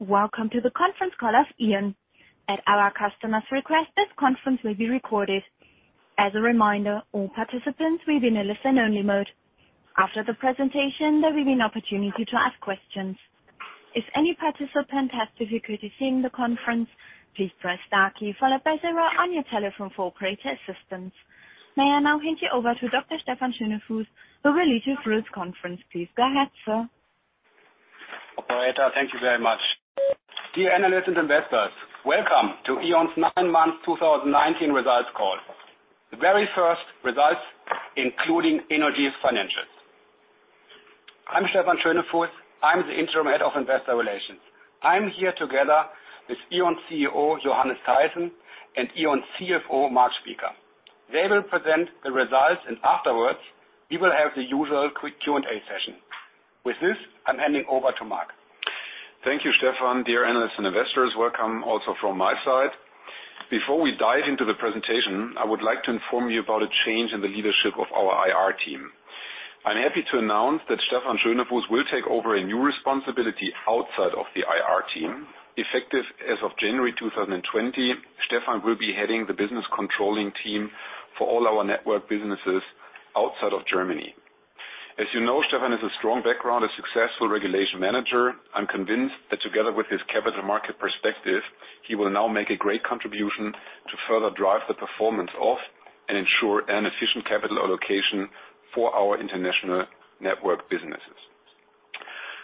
Welcome to the conference call of E.ON. At our customers' request, this conference will be recorded. As a reminder, all participants will be in a listen-only mode. After the presentation, there will be an opportunity to ask questions. If any participant has difficulty hearing the conference, please press star key followed by zero on your telephone for operator assistance. May I now hand you over to Dr. Stephan Schönefuß, who will lead you through this conference. Please go ahead, sir. Operator, thank you very much. Dear analysts and investors, welcome to E.ON's nine months 2019 results call. The very first results including innogy's financials. I'm Stephan Schönefuß, I'm the Interim Head of Investor Relations. I'm here together with E.ON CEO, Johannes Teyssen, and E.ON CFO, Marc Spieker. They will present the results, and afterwards, we will have the usual quick Q&A session. With this, I'm handing over to Marc. Thank you, Stephan. Dear analysts and investors, welcome also from my side. Before we dive into the presentation, I would like to inform you about a change in the leadership of our IR team. I'm happy to announce that Stephan Schönefuß will take over a new responsibility outside of the IR team. Effective as of January 2020, Stephan will be heading the business controlling team for all our network businesses outside of Germany. As you know, Stephan has a strong background, a successful regulation manager. I'm convinced that together with his capital market perspective, he will now make a great contribution to further drive the performance of and ensure an efficient capital allocation for our international network businesses.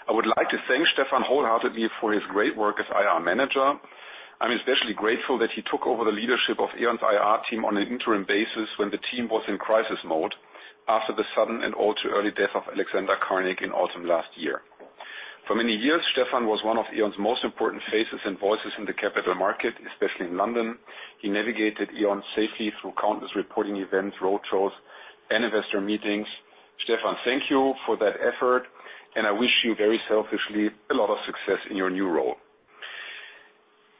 I would like to thank Stephan wholeheartedly for his great work as IR manager. I'm especially grateful that he took over the leadership of E.ON's IR team on an interim basis when the team was in crisis mode after the sudden and all too early death of Alexander Karnik in autumn last year. For many years, Stephan was one of E.ON's most important faces and voices in the capital market, especially in London. He navigated E.ON safely through countless reporting events, road shows, and investor meetings. Stephan, thank you for that effort, and I wish you very selfishly a lot of success in your new role.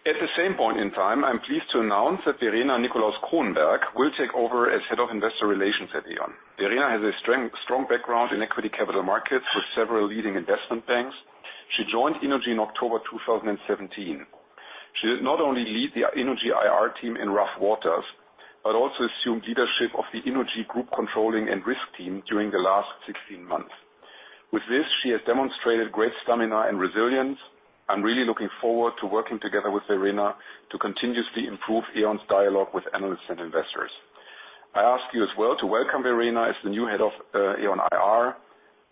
At the same point in time, I'm pleased to announce that Verena Nicolaus-Kronenberg will take over as head of investor relations at E.ON. Verena has a strong background in equity capital markets with several leading investment banks. She joined innogy in October 2017. She did not only lead the innogy IR team in rough waters, but also assumed leadership of the innogy group controlling and risk team during the last 16 months. With this, she has demonstrated great stamina and resilience. I'm really looking forward to working together with Verena to continuously improve E.ON's dialogue with analysts and investors. I ask you as well to welcome Verena as the new head of E.ON IR,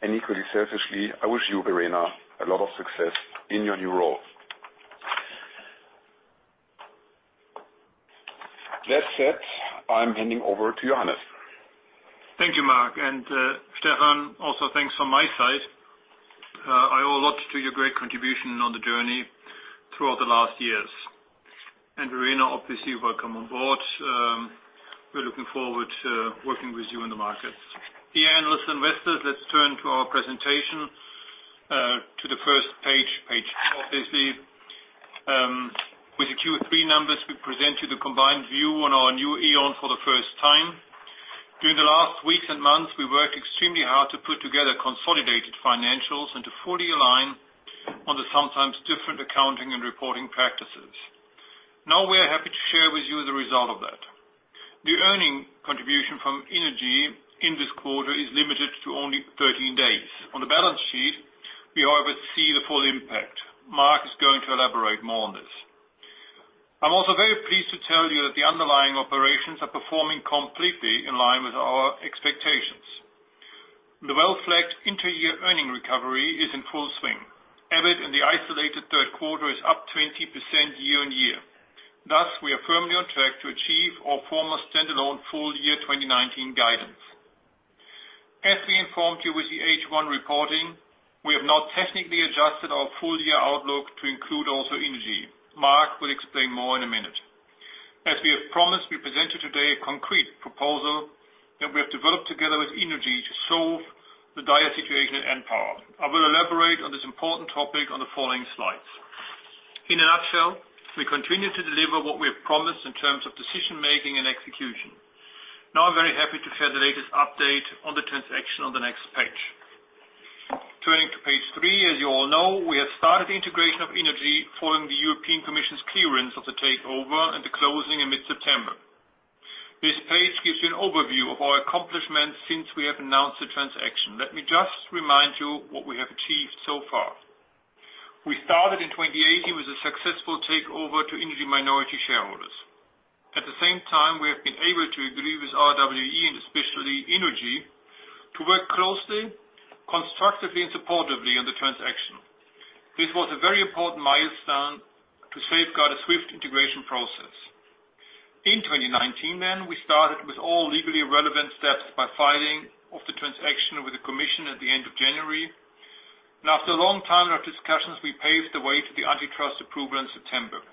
and equally selfishly, I wish you, Verena, a lot of success in your new role. That said, I'm handing over to Johannes. Thank you, Marc. Stephan, also thanks from my side. I owe a lot to your great contribution on the journey throughout the last years. Verena, obviously, welcome on board. We're looking forward to working with you in the market. Dear analysts, investors, let's turn to our presentation, to the first page four, please. With the Q3 numbers, we present you the combined view on our new E.ON for the first time. During the last weeks and months, we worked extremely hard to put together consolidated financials and to fully align on the sometimes different accounting and reporting practices. Now, we are happy to share with you the result of that. The earning contribution from innogy in this quarter is limited to only 13 days. On the balance sheet, we, however, see the full impact. Marc is going to elaborate more on this. I'm also very pleased to tell you that the underlying operations are performing completely in line with our expectations. The well-flagged inter-year earning recovery is in full swing. EBIT in the isolated third quarter is up 20% year on year. Thus, we are firmly on track to achieve our former standalone full year 2019 guidance. As we informed you with the H1 reporting, we have not technically adjusted our full-year outlook to include also innogy. Marc will explain more in a minute. As we have promised, we present you today a concrete proposal that we have developed together with innogy to solve the dire situation at npower. I will elaborate on this important topic on the following slides. In a nutshell, we continue to deliver what we have promised in terms of decision-making and execution. I'm very happy to share the latest update on the transaction on the next page. Turning to page three. You all know, we have started the integration of innogy following the European Commission's clearance of the takeover and the closing in mid-September. This page gives you an overview of our accomplishments since we have announced the transaction. Let me just remind you what we have achieved so far. We started in 2018 with a successful takeover to innogy minority shareholders. We have been able to agree with RWE and especially innogy to work closely, constructively, and supportively on the transaction. This was a very important milestone to safeguard a swift integration process. In 2019, we started with all legally relevant steps by filing of the transaction with the Commission at the end of January. After a long time of discussions, we paved the way to the antitrust approval in September.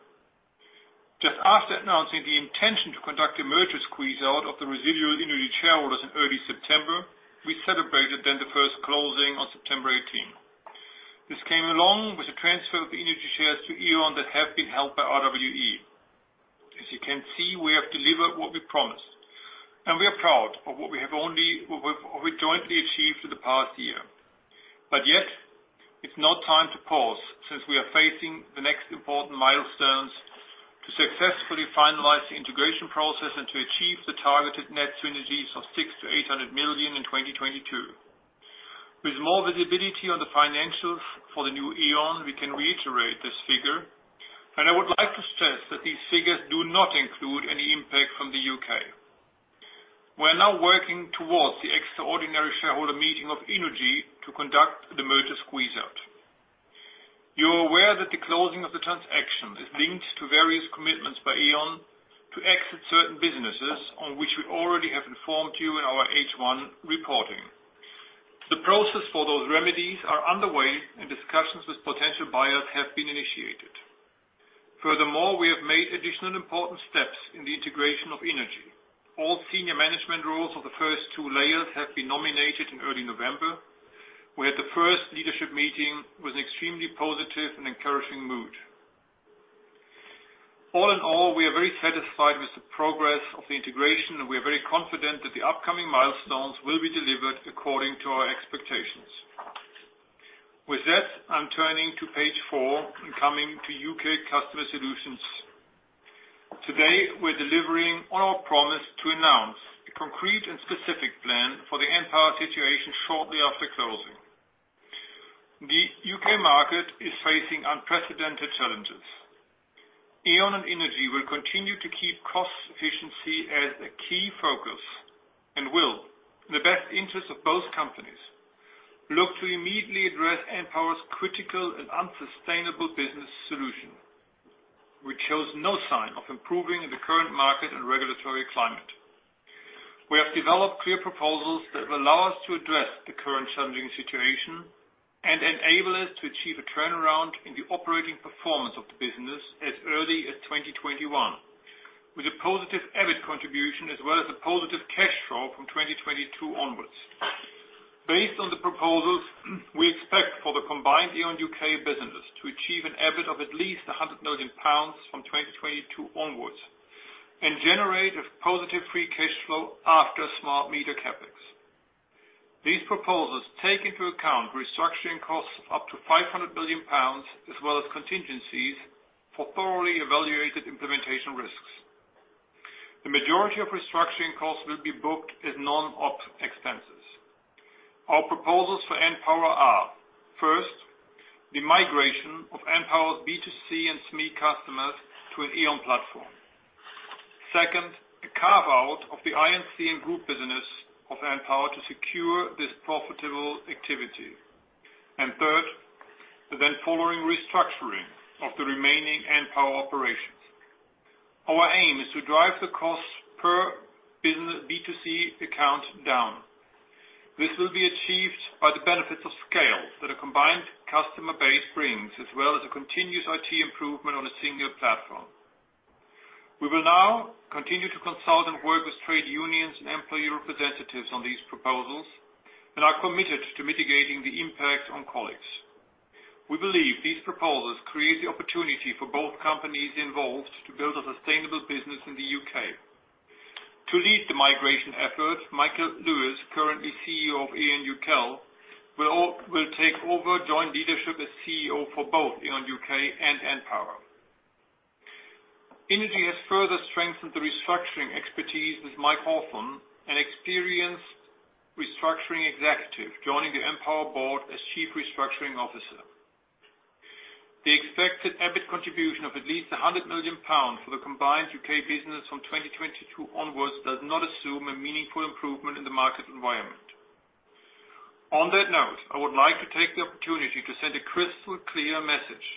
Just after announcing the intention to conduct a merger squeeze out of the residual innogy shareholders in early September, we celebrated then the first closing on September 18th. This came along with the transfer of the innogy shares to E.ON that have been held by RWE. You can see we have delivered what we promised, and we are proud of what we have jointly achieved for the past year. Yet it's not time to pause since we are facing the next important milestones to successfully finalize the integration process and to achieve the targeted net synergies of 6 million-800 million in 2022. With more visibility on the financials for the new E.ON, we can reiterate this figure, and I would like to stress that these figures do not include any impact from the U.K. We are now working towards the extraordinary shareholder meeting of innogy to conduct the merger squeeze-out. You are aware that the closing of the transaction is linked to various commitments by E.ON to exit certain businesses on which we already have informed you in our H1 reporting. The process for those remedies are underway, and discussions with potential buyers have been initiated. Furthermore, we have made additional important steps in the integration of innogy. All senior management roles of the first two layers have been nominated in early November. We had the first leadership meeting with an extremely positive and encouraging mood. All in all, we are very satisfied with the progress of the integration. We are very confident that the upcoming milestones will be delivered according to our expectations. With that, I'm turning to page four and coming to U.K. Customer Solutions. Today, we're delivering on our promise to announce a concrete and specific plan for the npower situation shortly after closing. The U.K. market is facing unprecedented challenges. E.ON and innogy will continue to keep cost efficiency as a key focus and will, in the best interest of both companies, look to immediately address npower's critical and unsustainable business solution, which shows no sign of improving in the current market and regulatory climate. We have developed clear proposals that will allow us to address the current challenging situation and enable us to achieve a turnaround in the operating performance of the business as early as 2021, with a positive EBIT contribution as well as a positive cash flow from 2022 onwards. Based on the proposals, we expect for the combined E.ON UK businesses to achieve an EBIT of at least 100 million pounds from 2022 onwards and generate a positive free cash flow after smart meter CapEx. These proposals take into account restructuring costs of up to 500 million pounds, as well as contingencies for thoroughly evaluated implementation risks. The majority of restructuring costs will be booked as non-op expenses. Our proposals for Npower are, first, the migration of Npower's B2C and SME customers to an E.ON platform. Second, a carve-out of the I&C and group business of Npower to secure this profitable activity. Third, the then following restructuring of the remaining Npower operations. Our aim is to drive the cost per business B2C account down. This will be achieved by the benefits of scale that a combined customer base brings, as well as a continuous IT improvement on a single platform. We will now continue to consult and work with trade unions and employee representatives on these proposals and are committed to mitigating the impact on colleagues. We believe these proposals create the opportunity for both companies involved to build a sustainable business in the U.K. To lead the migration efforts, Michael Lewis, currently CEO of E.ON UK, will take over joint leadership as CEO for both E.ON UK and Npower. innogy has further strengthened the restructuring expertise with Mike Hawthorne, an experienced restructuring executive joining the npower board as Chief Restructuring Officer. The expected EBIT contribution of at least GBP 100 million for the combined U.K. business from 2022 onwards does not assume a meaningful improvement in the market environment. On that note, I would like to take the opportunity to send a crystal clear message.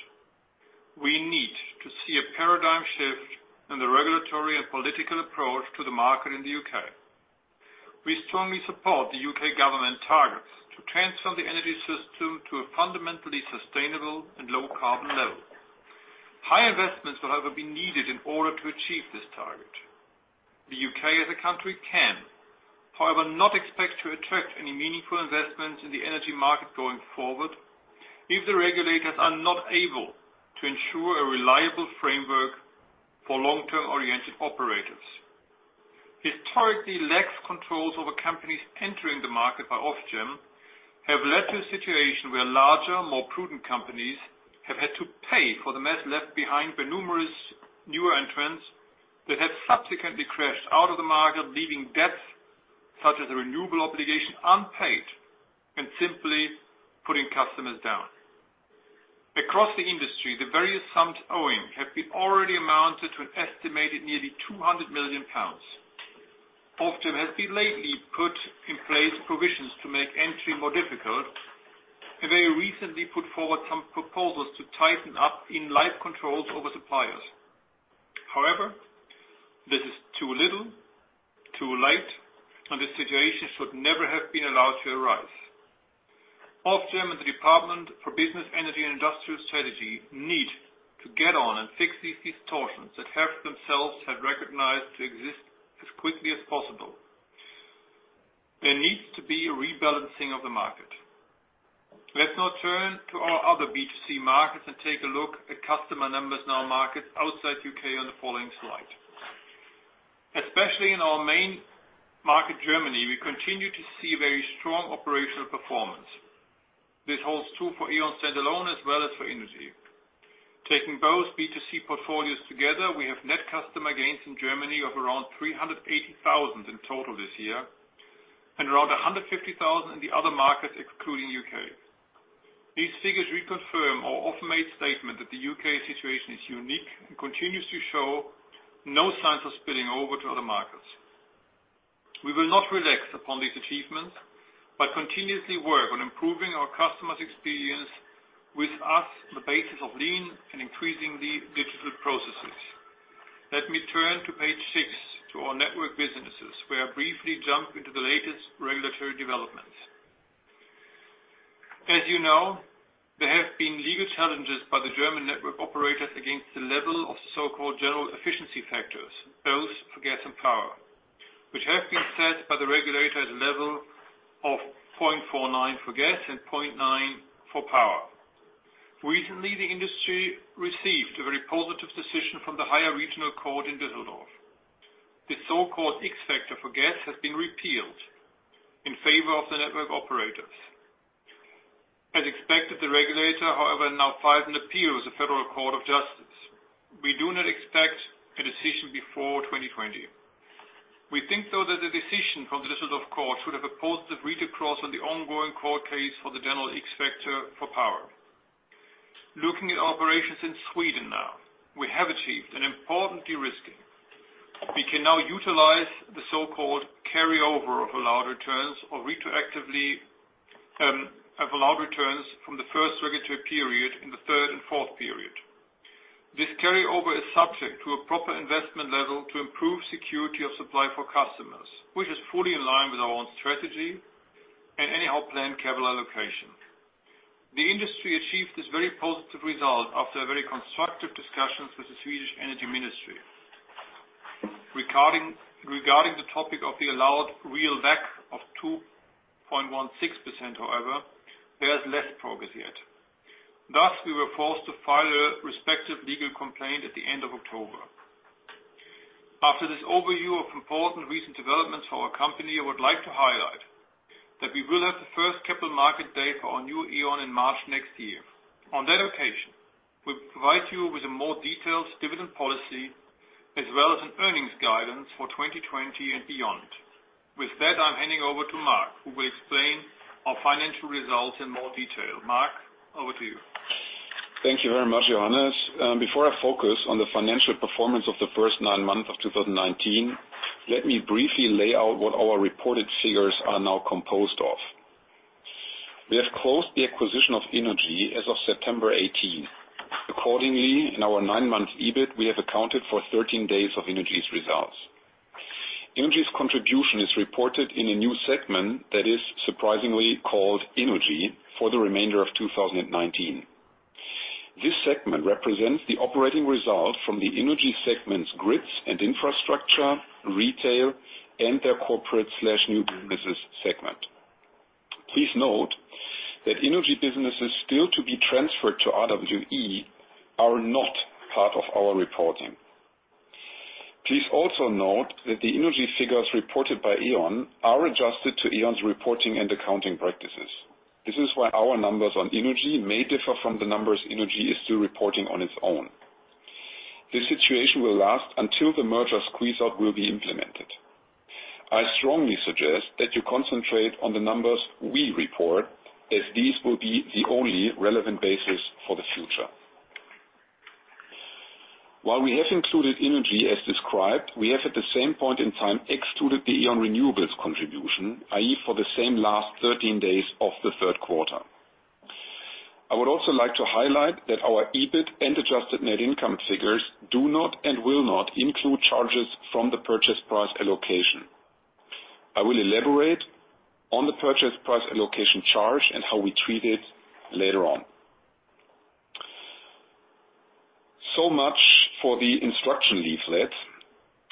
We need to see a paradigm shift in the regulatory and political approach to the market in the U.K. We strongly support the U.K. government targets to transform the energy system to a fundamentally sustainable and low-carbon level. High investments will however be needed in order to achieve this target. The U.K. as a country can, however, not expect to attract any meaningful investments in the energy market going forward if the regulators are not able to ensure a reliable framework for long-term oriented operators. Historically lax controls over companies entering the market by Ofgem have led to a situation where larger, more prudent companies have had to pay for the mess left behind by numerous newer entrants that have subsequently crashed out of the market, leaving debts such as a Renewables Obligation unpaid and simply putting customers down. Across the industry, the various sums owing have been already amounted to an estimated nearly 200 million pounds. Ofgem has lately put in place provisions to make entry more difficult, and very recently put forward some proposals to tighten up in-life controls over suppliers. However, this is too little, too late, and the situation should never have been allowed to arise. Ofgem and the Department for Business, Energy and Industrial Strategy need to get on and fix these distortions that have themselves have recognized to exist as quickly as possible. There needs to be a rebalancing of the market. Let's now turn to our other B2C markets and take a look at customer numbers in our markets outside U.K. on the following slide. Especially in our main market, Germany, we continue to see very strong operational performance. This holds true for E.ON standalone as well as for innogy. Taking both B2C portfolios together, we have net customer gains in Germany of around 380,000 in total this year, and around 150,000 in the other markets, excluding U.K. These figures reconfirm our often-made statement that the U.K. situation is unique and continues to show no signs of spilling over to other markets. We will not relax upon this achievement, but continuously work on improving our customers' experience with us on the basis of lean and increasingly digital processes. Let me turn to page six, to our network businesses, where I briefly jump into the latest regulatory developments. As you know, there have been legal challenges by the German network operators against the level of the so-called general efficiency factors, both for gas and power, which have been set by the regulator at a level of 0.49 for gas and 0.9 for power. Recently, the industry received a very positive decision from the higher regional court in Düsseldorf. This so-called X-factor for gas has been repealed in favor of the network operators. As expected, the regulator, however, now files an appeal with the Federal Court of Justice. We do not expect a decision before 2020. We think, though, that the decision from Düsseldorf court should have a positive read-across on the ongoing court case for the general X-factor for power. Looking at operations in Sweden now. We have achieved an important de-risking. We can now utilize the so-called carryover of allowed returns, or retroactively have allowed returns from the first regulatory period in the third and fourth period. This carryover is subject to a proper investment level to improve security of supply for customers, which is fully in line with our own strategy and any help planned capital allocation. The industry achieved this very positive result after very constructive discussions with the Swedish Energy Ministry. Regarding the topic of the allowed real WACC of 2.16%, however, there is less progress yet. Thus, we were forced to file a respective legal complaint at the end of October. After this overview of important recent developments for our company, I would like to highlight that we will have the first capital market date for our new E.ON in March next year. On that occasion, we'll provide you with a more detailed dividend policy as well as an earnings guidance for 2020 and beyond. With that, I'm handing over to Marc, who will explain our financial results in more detail. Marc, over to you. Thank you very much, Johannes. Before I focus on the financial performance of the first nine months of 2019, let me briefly lay out what our reported figures are now composed of. We have closed the acquisition of innogy as of September 18. Accordingly, in our nine-month EBIT, we have accounted for 13 days of innogy's results. innogy's contribution is reported in a new segment that is surprisingly called innogy for the remainder of 2019. This segment represents the operating result from the innogy segment's grids and infrastructure, retail, and their corporate/new business segment. Please note that innogy businesses still to be transferred to RWE are not part of our reporting. Please also note that the innogy figures reported by E.ON are adjusted to E.ON's reporting and accounting practices. This is why our numbers on innogy may differ from the numbers innogy is still reporting on its own. This situation will last until the merger squeeze-out will be implemented. I strongly suggest that you concentrate on the numbers we report, as these will be the only relevant basis for the future. While we have included innogy as described, we have, at the same point in time, excluded the E.ON renewables contribution, i.e., for the same last 13 days of the third quarter. I would also like to highlight that our EBIT and adjusted net income figures do not and will not include charges from the Purchase Price Allocation. I will elaborate on the Purchase Price Allocation charge and how we treat it later on. Much for the instruction leaflet.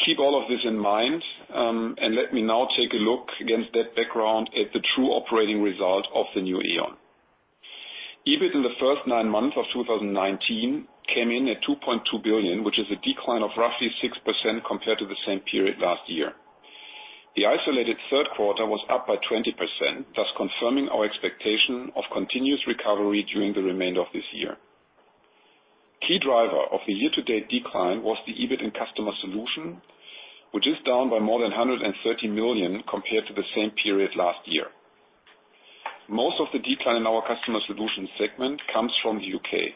Keep all of this in mind, and let me now take a look against that background at the true operating result of the new E.ON. EBIT in the first nine months of 2019 came in at 2.2 billion, which is a decline of roughly 6% compared to the same period last year. The isolated third quarter was up by 20%, thus confirming our expectation of continuous recovery during the remainder of this year. Key driver of the year-to-date decline was the EBIT in Customer Solutions, which is down by more than 130 million compared to the same period last year. Most of the decline in our Customer Solutions segment comes from the U.K.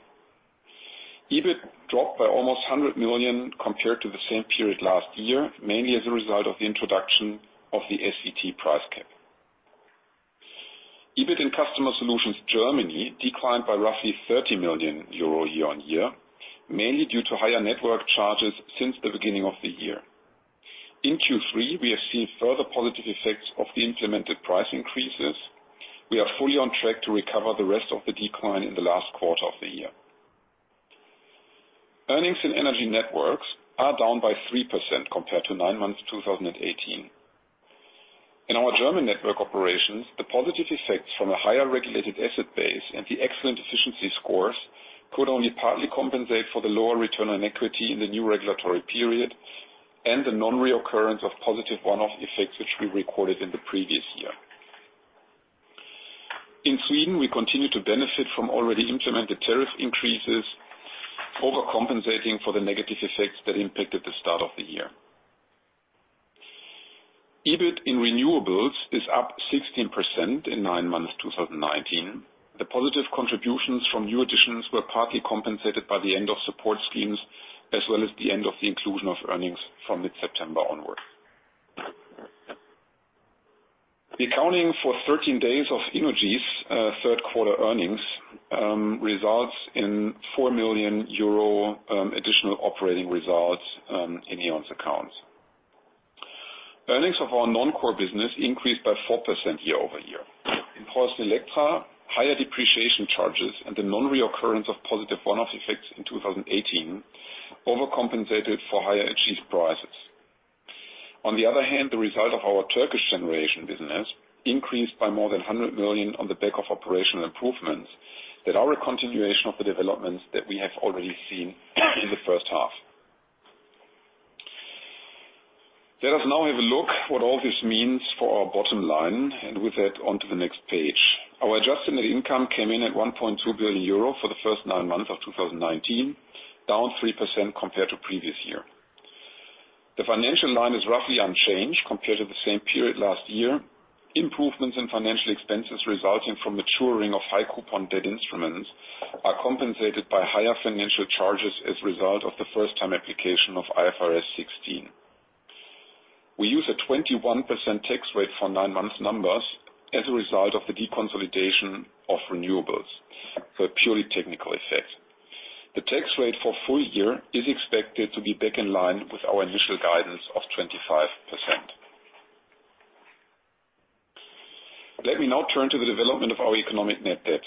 EBIT dropped by almost 100 million compared to the same period last year, mainly as a result of the introduction of the SVT price cap. EBIT in Customer Solutions Germany declined by roughly 30 million euro year on year, mainly due to higher network charges since the beginning of the year. In Q3, we have seen further positive effects of the implemented price increases. We are fully on track to recover the rest of the decline in the last quarter of the year. Earnings in Energy Networks are down by 3% compared to nine months 2018. In our German network operations, the positive effects from a higher regulated asset base and the excellent efficiency scores could only partly compensate for the lower return on equity in the new regulatory period, and the non-reoccurrence of positive one-off effects, which we recorded in the previous year. In Sweden, we continue to benefit from already implemented tariff increases, overcompensating for the negative effects that impacted the start of the year. EBIT in renewables is up 16% in nine months 2019. The positive contributions from new additions were partly compensated by the end of support schemes, as well as the end of the inclusion of earnings from mid-September onwards. The accounting for 13 days of innogy's third quarter earnings, results in 4 million euro additional operating results in E.ON's accounts. Earnings of our non-core business increased by 4% year-over-year. In PreussenElektra, higher depreciation charges and the non-reoccurrence of positive one-off effects in 2018 overcompensated for higher achieved prices. On the other hand, the result of our Turkish generation business increased by more than 100 million on the back of operational improvements that are a continuation of the developments that we have already seen in the first half. Let us now have a look what all this means for our bottom line, and with that onto the next page. Our adjusted net income came in at 1.2 billion euro for the first nine months of 2019, down 3% compared to previous year. The financial line is roughly unchanged compared to the same period last year. Improvements in financial expenses resulting from maturing of high coupon debt instruments are compensated by higher financial charges as a result of the first-time application of IFRS 16. We use a 21% tax rate for nine months numbers as a result of the deconsolidation of renewables. A purely technical effect. The tax rate for full year is expected to be back in line with our initial guidance of 25%. Let me now turn to the development of our economic net debt.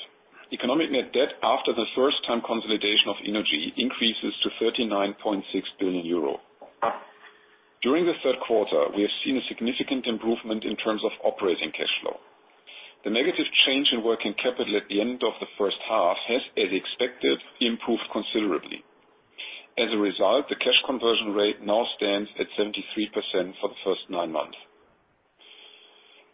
Economic net debt after the first time consolidation of innogy increases to 39.6 billion euro. During the third quarter, we have seen a significant improvement in terms of operating cash flow. The negative change in working capital at the end of the first half has, as expected, improved considerably. As a result, the cash conversion rate now stands at 73% for the first nine months.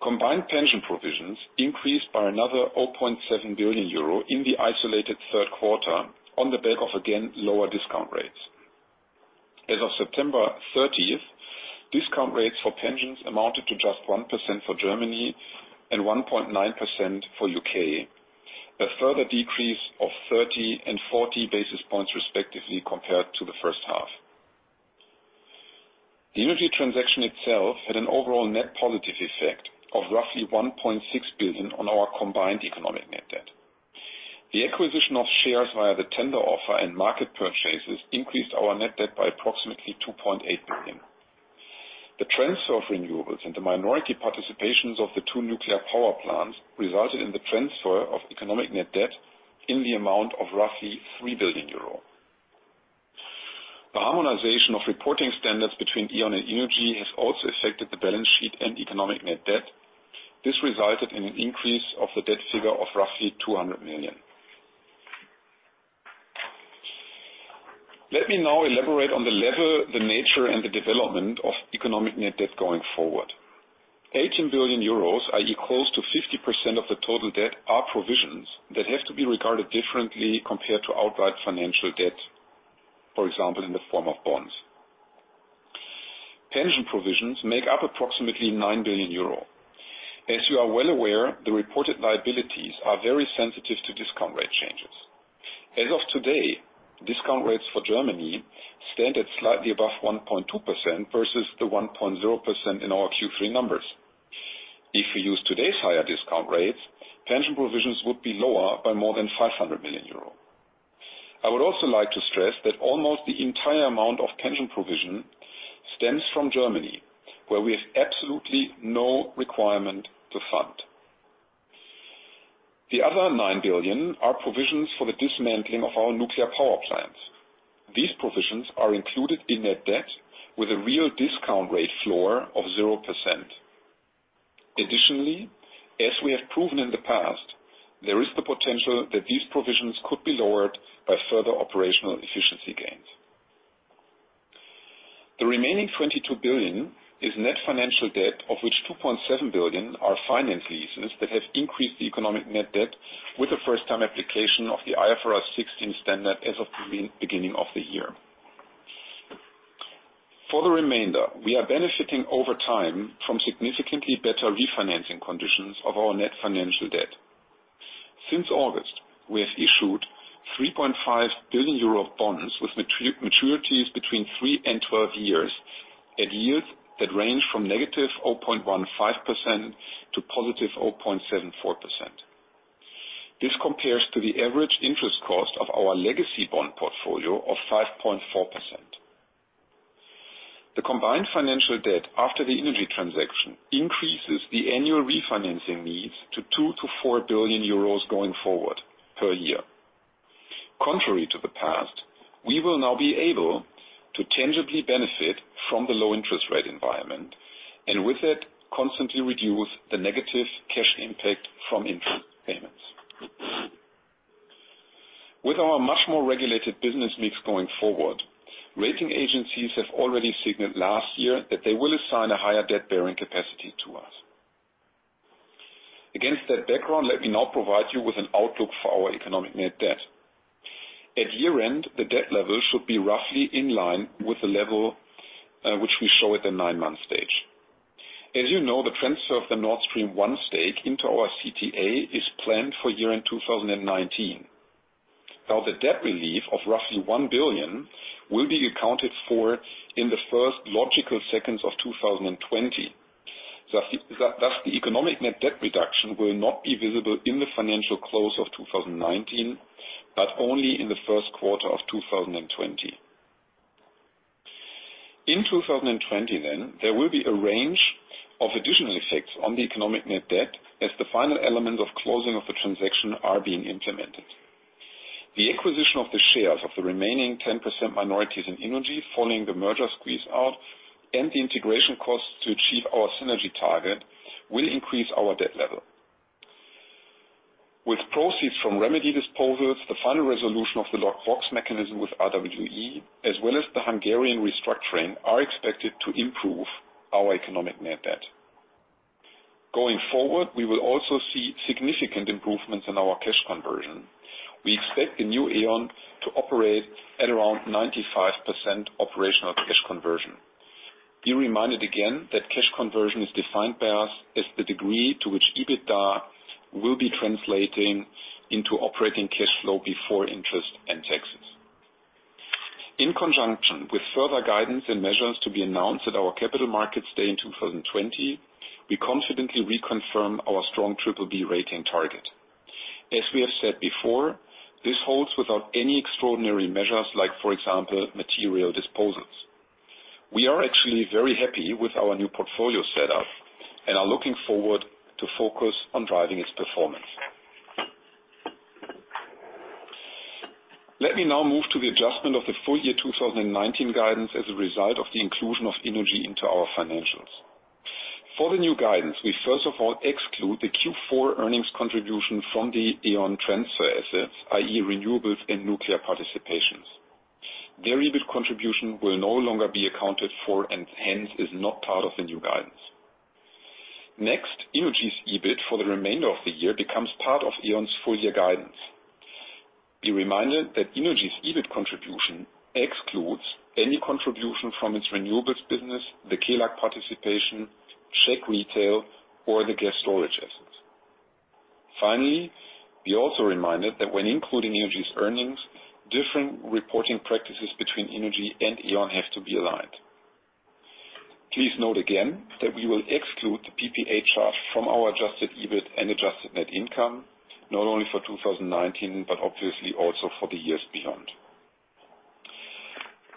Combined pension provisions increased by another €8.7 billion in the isolated third quarter on the back of, again, lower discount rates. As of September 30th, discount rates for pensions amounted to just 1% for Germany and 1.9% for UK. A further decrease of 30 and 40 basis points respectively compared to the first half. The innogy transaction itself had an overall net positive effect of roughly €1.6 billion on our combined economic net debt. The acquisition of shares via the tender offer and market purchases increased our net debt by approximately €2.8 billion. The transfer of renewables into minority participations of the two nuclear power plants resulted in the transfer of economic net debt in the amount of roughly 3 billion euro. The harmonization of reporting standards between E.ON and innogy has also affected the balance sheet and economic net debt. This resulted in an increase of the debt figure of roughly 200 million. Let me now elaborate on the level, the nature, and the development of economic net debt going forward. 18 billion euros, i.e., close to 50% of the total debt, are provisions that have to be regarded differently compared to outright financial debt, for example, in the form of bonds. Pension provisions make up approximately 9 billion euro. As you are well aware, the reported liabilities are very sensitive to discount rate changes. As of today, discount rates for Germany stand at slightly above 1.2% versus the 1.0% in our Q3 numbers. If we use today's higher discount rates, pension provisions would be lower by more than 500 million euro. I would also like to stress that almost the entire amount of pension provision stems from Germany, where we have absolutely no requirement to fund. The other 9 billion are provisions for the dismantling of our nuclear power plants. These provisions are included in net debt with a real discount rate floor of 0%. Additionally, as we have proven in the past, there is the potential that these provisions could be lowered by further operational efficiency gains. The remaining 22 billion is net financial debt, of which 2.7 billion are finance leases that have increased the economic net debt with a first-time application of the IFRS 16 standard as of the beginning of the year. For the remainder, we are benefiting over time from significantly better refinancing conditions of our net financial debt. Since August, we have issued 3.5 billion euro of bonds with maturities between 3 and 12 years, at yields that range from -0.15% to +0.74%. This compares to the average interest cost of our legacy bond portfolio of 5.4%. The combined financial debt after the innogy transaction increases the annual refinancing needs to 2 billion to 4 billion euros going forward per year. Contrary to the past, we will now be able to tangibly benefit from the low interest rate environment, and with it, constantly reduce the negative cash impact from interest payments. With our much more regulated business mix going forward, rating agencies have already signaled last year that they will assign a higher debt-bearing capacity to us. Against that background, let me now provide you with an outlook for our economic net debt. At year-end, the debt level should be roughly in line with the level which we show at the 9-month stage. As you know, the transfer of the Nord Stream 1 stake into our CTA is planned for year-end 2019. The debt relief of roughly 1 billion will be accounted for in the first logical seconds of 2020. The economic net debt reduction will not be visible in the financial close of 2019, but only in the first quarter of 2020. In 2020, there will be a range of additional effects on the economic net debt as the final element of closing of the transaction are being implemented. The acquisition of the shares of the remaining 10% minorities in innogy following the merger squeeze-out and the integration costs to achieve our synergy target will increase our debt level. With proceeds from remedy disposals, the final resolution of the locked box mechanism with RWE, as well as the Hungarian restructuring, are expected to improve our economic net debt. Going forward, we will also see significant improvements in our cash conversion. We expect the new E.ON to operate at around 95% operational cash conversion. Be reminded again that cash conversion is defined by us as the degree to which EBITDA will be translating into operating cash flow before interest and taxes. In conjunction with further guidance and measures to be announced at our Capital Markets Day in 2020, we confidently reconfirm our strong BBB rating target. As we have said before, this holds without any extraordinary measures like, for example, material disposals. We are actually very happy with our new portfolio setup and are looking forward to focus on driving its performance. Let me now move to the adjustment of the full-year 2019 guidance as a result of the inclusion of innogy into our financials. For the new guidance, we first of all exclude the Q4 earnings contribution from the E.ON transfer assets, i.e., renewables and nuclear participations. Their EBIT contribution will no longer be accounted for and hence is not part of the new guidance. innogy's EBIT for the remainder of the year becomes part of E.ON's full-year guidance. Be reminded that innogy's EBIT contribution excludes any contribution from its renewables business, the Kelag participation, Czech Retail, or the gas storage assets. Be also reminded that when including innogy's earnings, different reporting practices between innogy and E.ON have to be aligned. Please note again that we will exclude the PPA charge from our adjusted EBIT and adjusted net income, not only for 2019, but obviously also for the years beyond.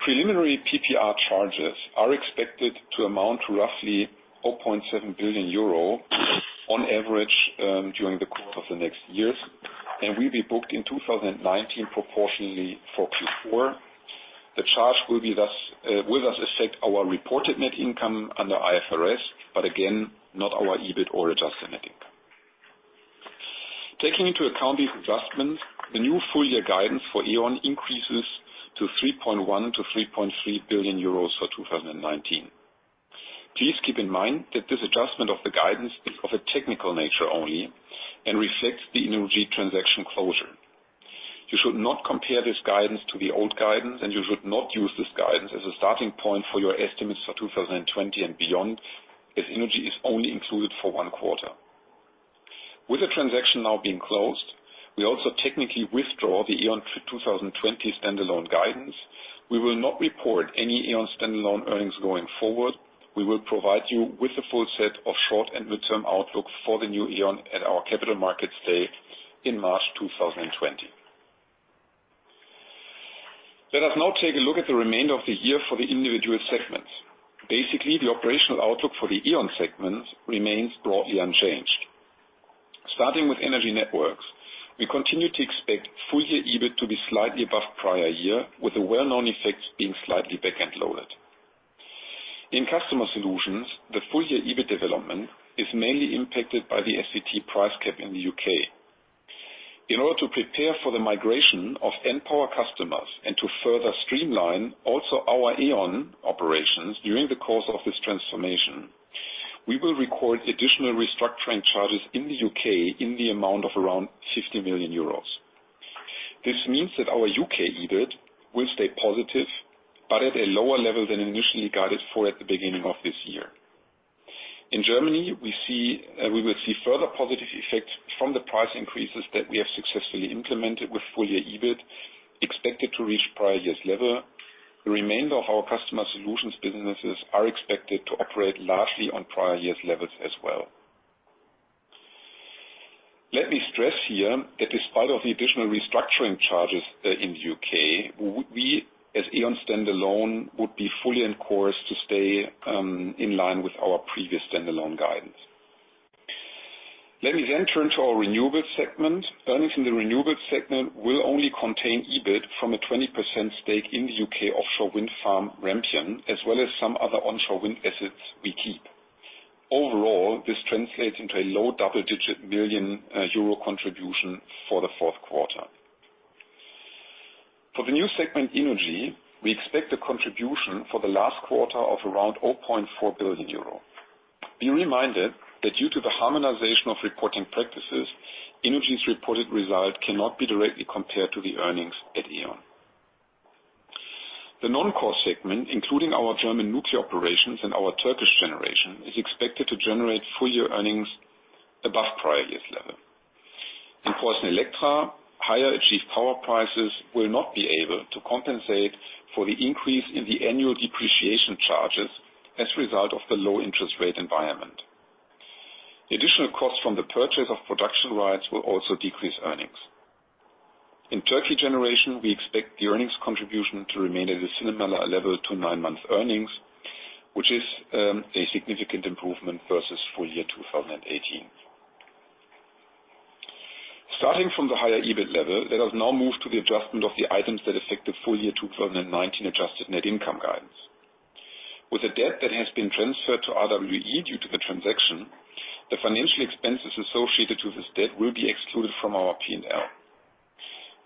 Preliminary PPA charges are expected to amount to roughly 4.7 billion euro on average during the course of the next years, and will be booked in 2019 proportionally for Q4. The charge will thus affect our reported net income under IFRS, but again, not our EBIT or adjusted net income. Taking into account these adjustments, the new full-year guidance for E.ON increases to 3.1 billion-3.3 billion euros for 2019. Please keep in mind that this adjustment of the guidance is of a technical nature only and reflects the innogy transaction closure. You should not compare this guidance to the old guidance, you should not use this guidance as a starting point for your estimates for 2020 and beyond, as innogy is only included for one quarter. With the transaction now being closed, we also technically withdraw the E.ON 2020 standalone guidance. We will not report any E.ON standalone earnings going forward. We will provide you with the full set of short- and midterm outlook for the new E.ON at our capital markets day in March 2020. Let us now take a look at the remainder of the year for the individual segments. Basically, the operational outlook for the E.ON segments remains broadly unchanged. Starting with Energy Networks, we continue to expect full-year EBIT to be slightly above prior year, with the well-known effects being slightly back-end loaded. In Customer Solutions, the full-year EBIT development is mainly impacted by the SVT price cap in the U.K. In order to prepare for the migration of npower customers and to further streamline also our E.ON operations during the course of this transformation, we will record additional restructuring charges in the U.K. in the amount of around 50 million euros. This means that our U.K. EBIT will stay positive, but at a lower level than initially guided for at the beginning of this year. In Germany, we will see further positive effects from the price increases that we have successfully implemented with full-year EBIT expected to reach prior year's level. The remainder of our Customer Solutions businesses are expected to operate largely on prior year's levels as well. Let me stress here that despite of the additional restructuring charges in the U.K., we, as E.ON standalone, would be fully on course to stay in line with our previous standalone guidance. Let me turn to our renewables segment. Earnings in the renewables segment will only contain EBIT from a 20% stake in the U.K. offshore wind farm, Rampion, as well as some other onshore wind assets we keep. Overall, this translates into a low double-digit million euro contribution for the fourth quarter. For the new segment, Innogy, we expect a contribution for the last quarter of around 0.4 billion euro. Be reminded that due to the harmonization of reporting practices, Innogy's reported result cannot be directly compared to the earnings at E.ON. The non-core segment, including our German nuclear operations and our Turkish generation, is expected to generate full-year earnings above prior year's level. In PreussenElektra, higher achieved power prices will not be able to compensate for the increase in the annual depreciation charges as a result of the low interest rate environment. Additional costs from the purchase of production rights will also decrease earnings. In Turkey generation, we expect the earnings contribution to remain at a similar level to nine-month earnings, which is a significant improvement versus full-year 2018. Starting from the higher EBIT level, let us now move to the adjustment of the items that affect the full-year 2019 adjusted net income guidance. With the debt that has been transferred to RWE due to the transaction, the financial expenses associated to this debt will be excluded from our P&L.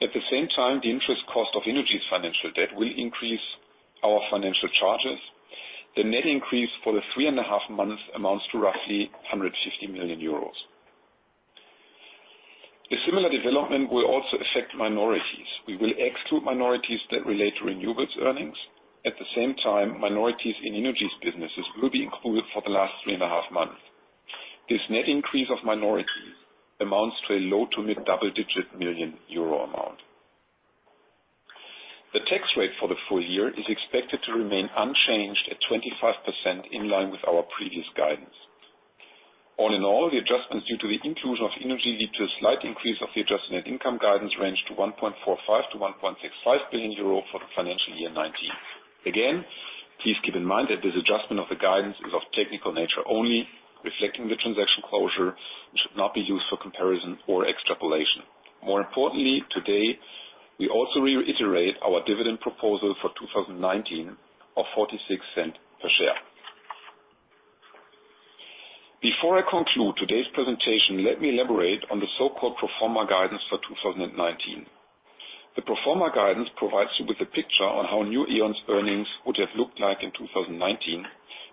At the same time, the interest cost of Innogy's financial debt will increase our financial charges. The net increase for the three-and-a-half months amounts to roughly 150 million euros. A similar development will also affect minorities. We will exclude minorities that relate to renewables earnings. At the same time, minorities in Innogy's businesses will be included for the last three-and-a-half months. This net increase of minorities amounts to a low to mid double-digit million EUR amount. The tax rate for the full year is expected to remain unchanged at 25%, in line with our previous guidance. All in all, the adjustments due to the inclusion of Innogy lead to a slight increase of the adjusted net income guidance range to 1.45 billion-1.65 billion euro for the financial year 2019. Again, please keep in mind that this adjustment of the guidance is of technical nature only, reflecting the transaction closure, and should not be used for comparison or extrapolation. More importantly, today, we also reiterate our dividend proposal for 2019 of 0.46 per share. Before I conclude today's presentation, let me elaborate on the so-called pro forma guidance for 2019. The pro forma guidance provides you with a picture on how new E.ON's earnings would have looked like in 2019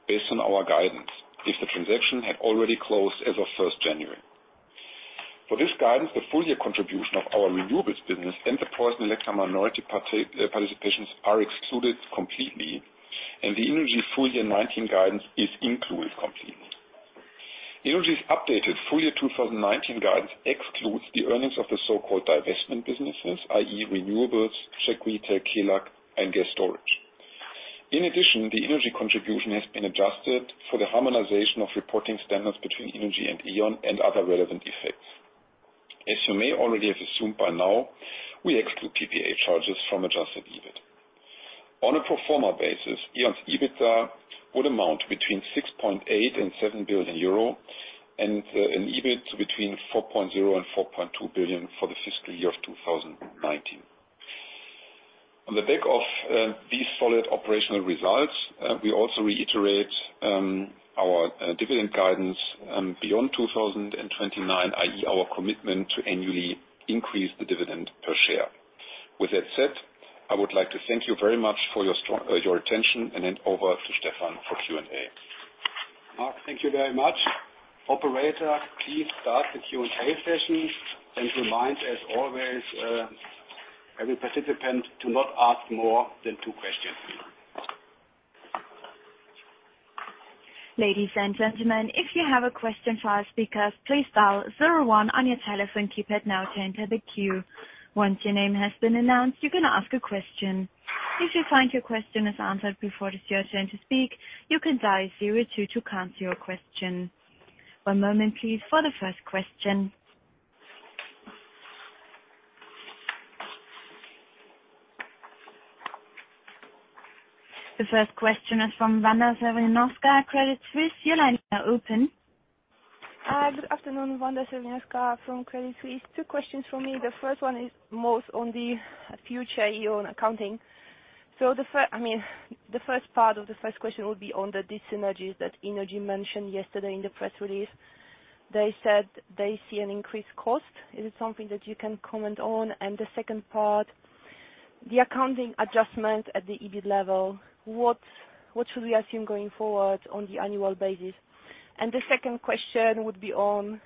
based on our guidance, if the transaction had already closed as of 1st January. For this guidance, the full-year contribution of our renewables business and the PreussenElektra minority participations are excluded completely, and the innogy full-year 2019 guidance is included completely. innogy's updated full-year 2019 guidance excludes the earnings of the so-called divestment businesses, i.e., renewables, Czech Retail, Kelag, and Gas Storage. In addition, the innogy contribution has been adjusted for the harmonization of reporting standards between innogy and E.ON and other relevant effects. As you may already have assumed by now, we exclude PPA charges from adjusted EBIT. On a pro forma basis, E.ON's EBITDA would amount between 6.8 billion and 7 billion euro, and an EBIT between 4.0 billion and 4.2 billion for the fiscal year of 2019. On the back of these solid operational results, we also reiterate our dividend guidance beyond 2029, i.e., our commitment to annually increase the dividend per share. With that said, I would like to thank you very much for your attention, and hand over to Stephan for Q&A. Marc, thank you very much. Operator, please start the Q&A session, and remind, as always, every participant to not ask more than two questions. Ladies and gentlemen, if you have a question for our speakers, please dial zero one on your telephone keypad now to enter the queue. Once your name has been announced, you can ask a question. If you find your question is answered before it is your turn to speak, you can dial zero two to cancel your question. One moment please for the first question. The first question is from Wanda Serwinowska, Credit Suisse. Your line is now open. Good afternoon. Wanda Serwinowska from Credit Suisse. Two questions from me. The first one is most on the future E.ON accounting. The first part of the first question would be on the dyssynergies that innogy mentioned yesterday in the press release. They said they see an increased cost. Is it something that you can comment on? The second part, the accounting adjustment at the EBIT level, what should we assume going forward on the annual basis? The second question would be on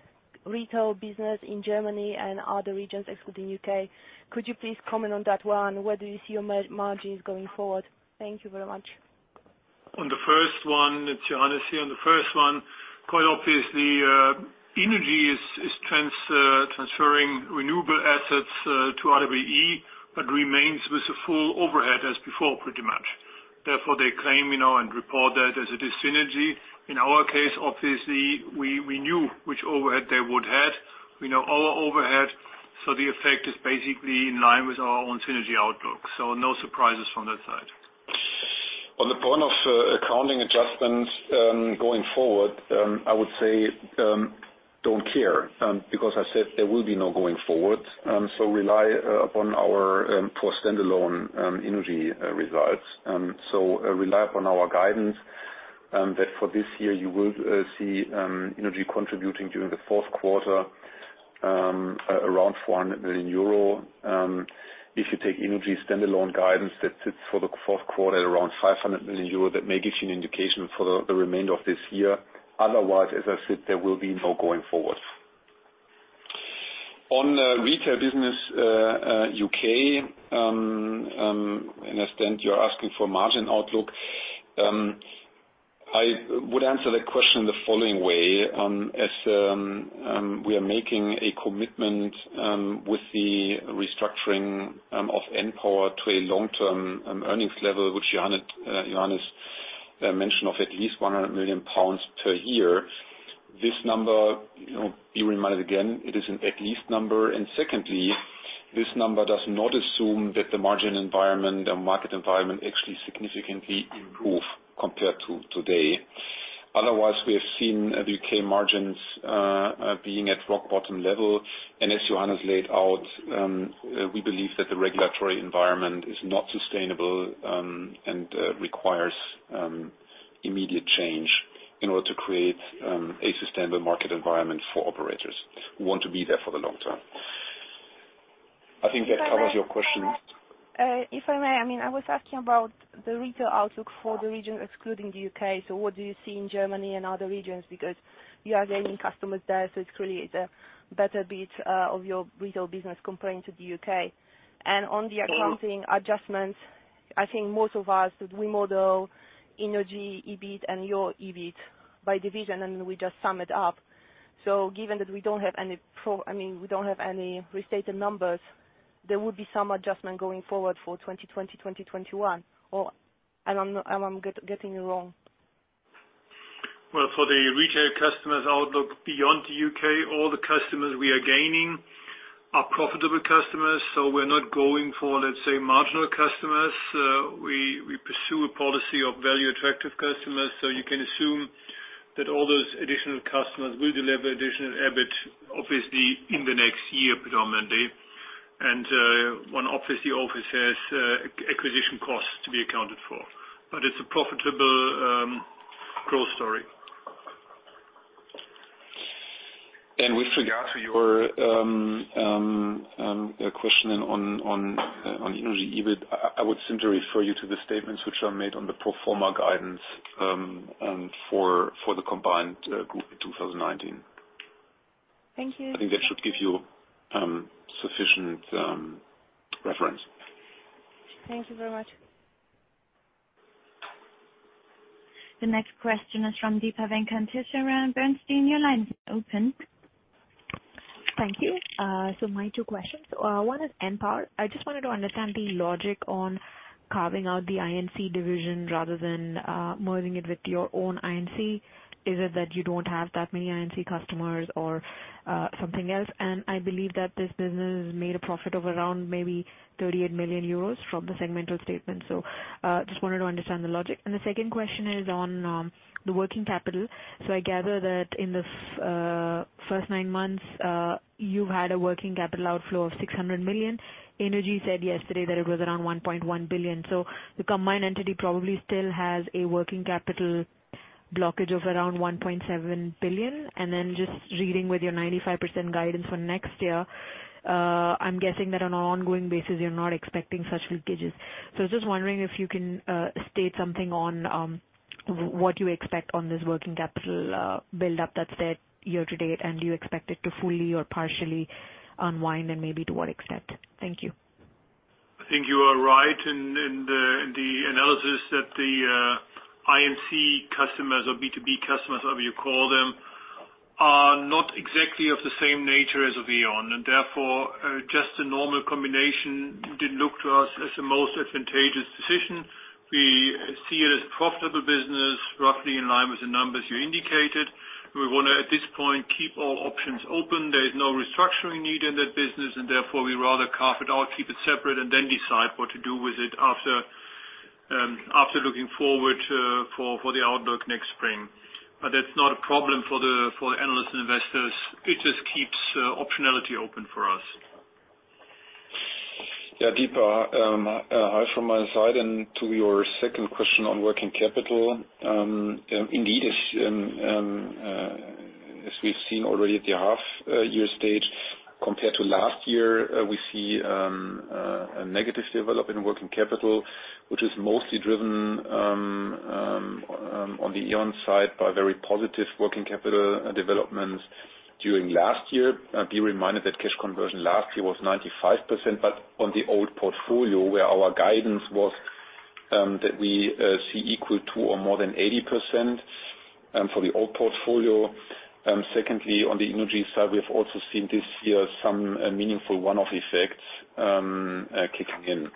retail business in Germany and other regions excluding U.K. Could you please comment on that one? Where do you see your margins going forward? Thank you very much. On the first one, it's Johannes here. On the first one, quite obviously, Innogy is transferring renewable assets to RWE, but remains with the full overhead as before, pretty much. They claim and report that as a dis-synergy. In our case, obviously, we knew which overhead they would have. We know our overhead, the effect is basically in line with our own synergy outlook. No surprises from that side. On the point of accounting adjustments going forward, I would say, don't care. I said there will be no going forward. Rely upon our core standalone innogy results. Rely upon our guidance, that for this year you will see innogy contributing during the fourth quarter, around 400 million euro. If you take innogy standalone guidance, that sits for the fourth quarter at around 500 million euro. That may give you an indication for the remainder of this year. Otherwise, as I said, there will be no going forward. On the retail business U.K., I understand you're asking for margin outlook. I would answer that question the following way. We are making a commitment with the restructuring of npower to a long-term earnings level, which Johannes mentioned of at least 100 million pounds per year. This number, be reminded again, it is an at least number. Secondly, this number does not assume that the margin environment and market environment actually significantly improve compared to today. Otherwise, we have seen the U.K. margins being at rock bottom level. As Johannes laid out, we believe that the regulatory environment is not sustainable, and requires immediate change in order to create a sustainable market environment for operators who want to be there for the long term. I think that covers your question. If I may. I was asking about the retail outlook for the region excluding the U.K. What do you see in Germany and other regions? You are gaining customers there, it is clearly a better bit of your retail business comparing to the U.K. On the accounting adjustments, I think most of us, we model innogy EBIT and your EBIT by division, and we just sum it up. Given that we don't have any restated numbers, there would be some adjustment going forward for 2020, 2021, or am I getting it wrong? Well, for the retail customers outlook beyond the U.K., all the customers we are gaining are profitable customers. We're not going for, let's say, marginal customers. We pursue a policy of value attractive customers, you can assume that all those additional customers will deliver additional EBIT, obviously, in the next year, predominantly. One obviously always has acquisition costs to be accounted for. It's a profitable growth story. With regard to your question on innogy EBIT, I would simply refer you to the statements which are made on the pro forma guidance, for the combined group in 2019. Thank you. I think that should give you sufficient reference. Thank you very much. The next question is from Deepa Venkateswaran from Bernstein. Your line is open. Thank you. My two questions. One is npower. I just wanted to understand the logic on carving out the I&C division rather than merging it with your own I&C. Is it that you don't have that many I&C customers or something else? I believe that this business has made a profit of around maybe 38 million euros from the segmental statement. Just wanted to understand the logic. The second question is on the working capital. I gather that in the first nine months, you've had a working capital outflow of 600 million. innogy said yesterday that it was around 1.1 billion. The combined entity probably still has a working capital blockage of around 1.7 billion. Then just reading with your 95% guidance for next year, I'm guessing that on an ongoing basis, you're not expecting such leakages. I was just wondering if you can state something on what you expect on this working capital buildup that's there year to date, and do you expect it to fully or partially unwind, and maybe to what extent? Thank you. I think you are right in the analysis that the I&C customers or B2B customers, however you call them, are not exactly of the same nature as a E.ON. Therefore, just a normal combination didn't look to us as the most advantageous decision. We see it as profitable business, roughly in line with the numbers you indicated. We want to, at this point, keep all options open. There is no restructuring needed in that business. Therefore, we rather carve it out, keep it separate, and then decide what to do with it after looking forward for the outlook next spring. That's not a problem for the analysts and investors. It just keeps optionality open for us. Yeah, Deepa, hi from my side. To your second question on working capital. Indeed, as we've seen already at the half year stage, compared to last year, we see a negative development in working capital. Which is mostly driven on the E.ON side by very positive working capital developments during last year. Be reminded that cash conversion last year was 95%, but on the old portfolio, where our guidance was that we see equal to or more than 80%. Secondly, on the innogy side, we have also seen this year some meaningful one-off effects kicking in.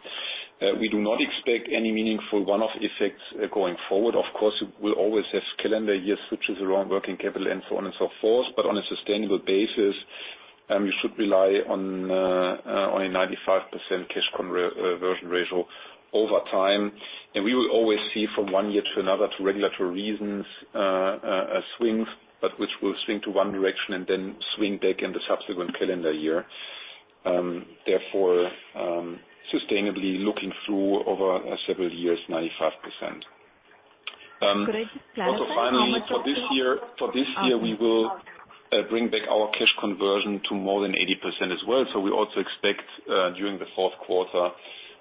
We do not expect any meaningful one-off effects going forward. Of course, we'll always have calendar year switches around working capital and so on and so forth. On a sustainable basis, you should rely on a 95% cash conversion ratio over time. We will always see from one year to another, to regulatory reasons, swings, but which will swing to one direction and then swing back in the subsequent calendar year. Therefore, sustainably looking through over several years, 95%. Finally, for this year, we will bring back our cash conversion to more than 80% as well. We also expect, during the fourth quarter,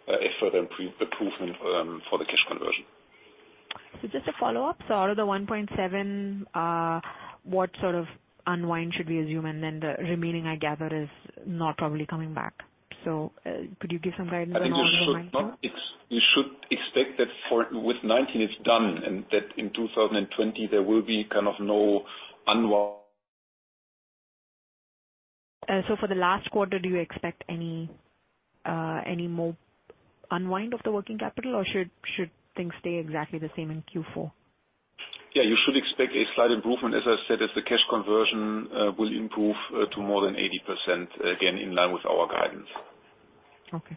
a further improvement for the cash conversion. Just a follow-up. Out of the 1.7, what sort of unwind should we assume? The remaining, I gather, is not probably coming back. Could you give some guidance on all the unwind? I think you should expect that with 2019 it's done, and that in 2020 there will be kind of no unwind. For the last quarter, do you expect any more unwind of the working capital, or should things stay exactly the same in Q4? Yeah, you should expect a slight improvement. As I said, as the cash conversion will improve to more than 80%, again, in line with our guidance. Okay.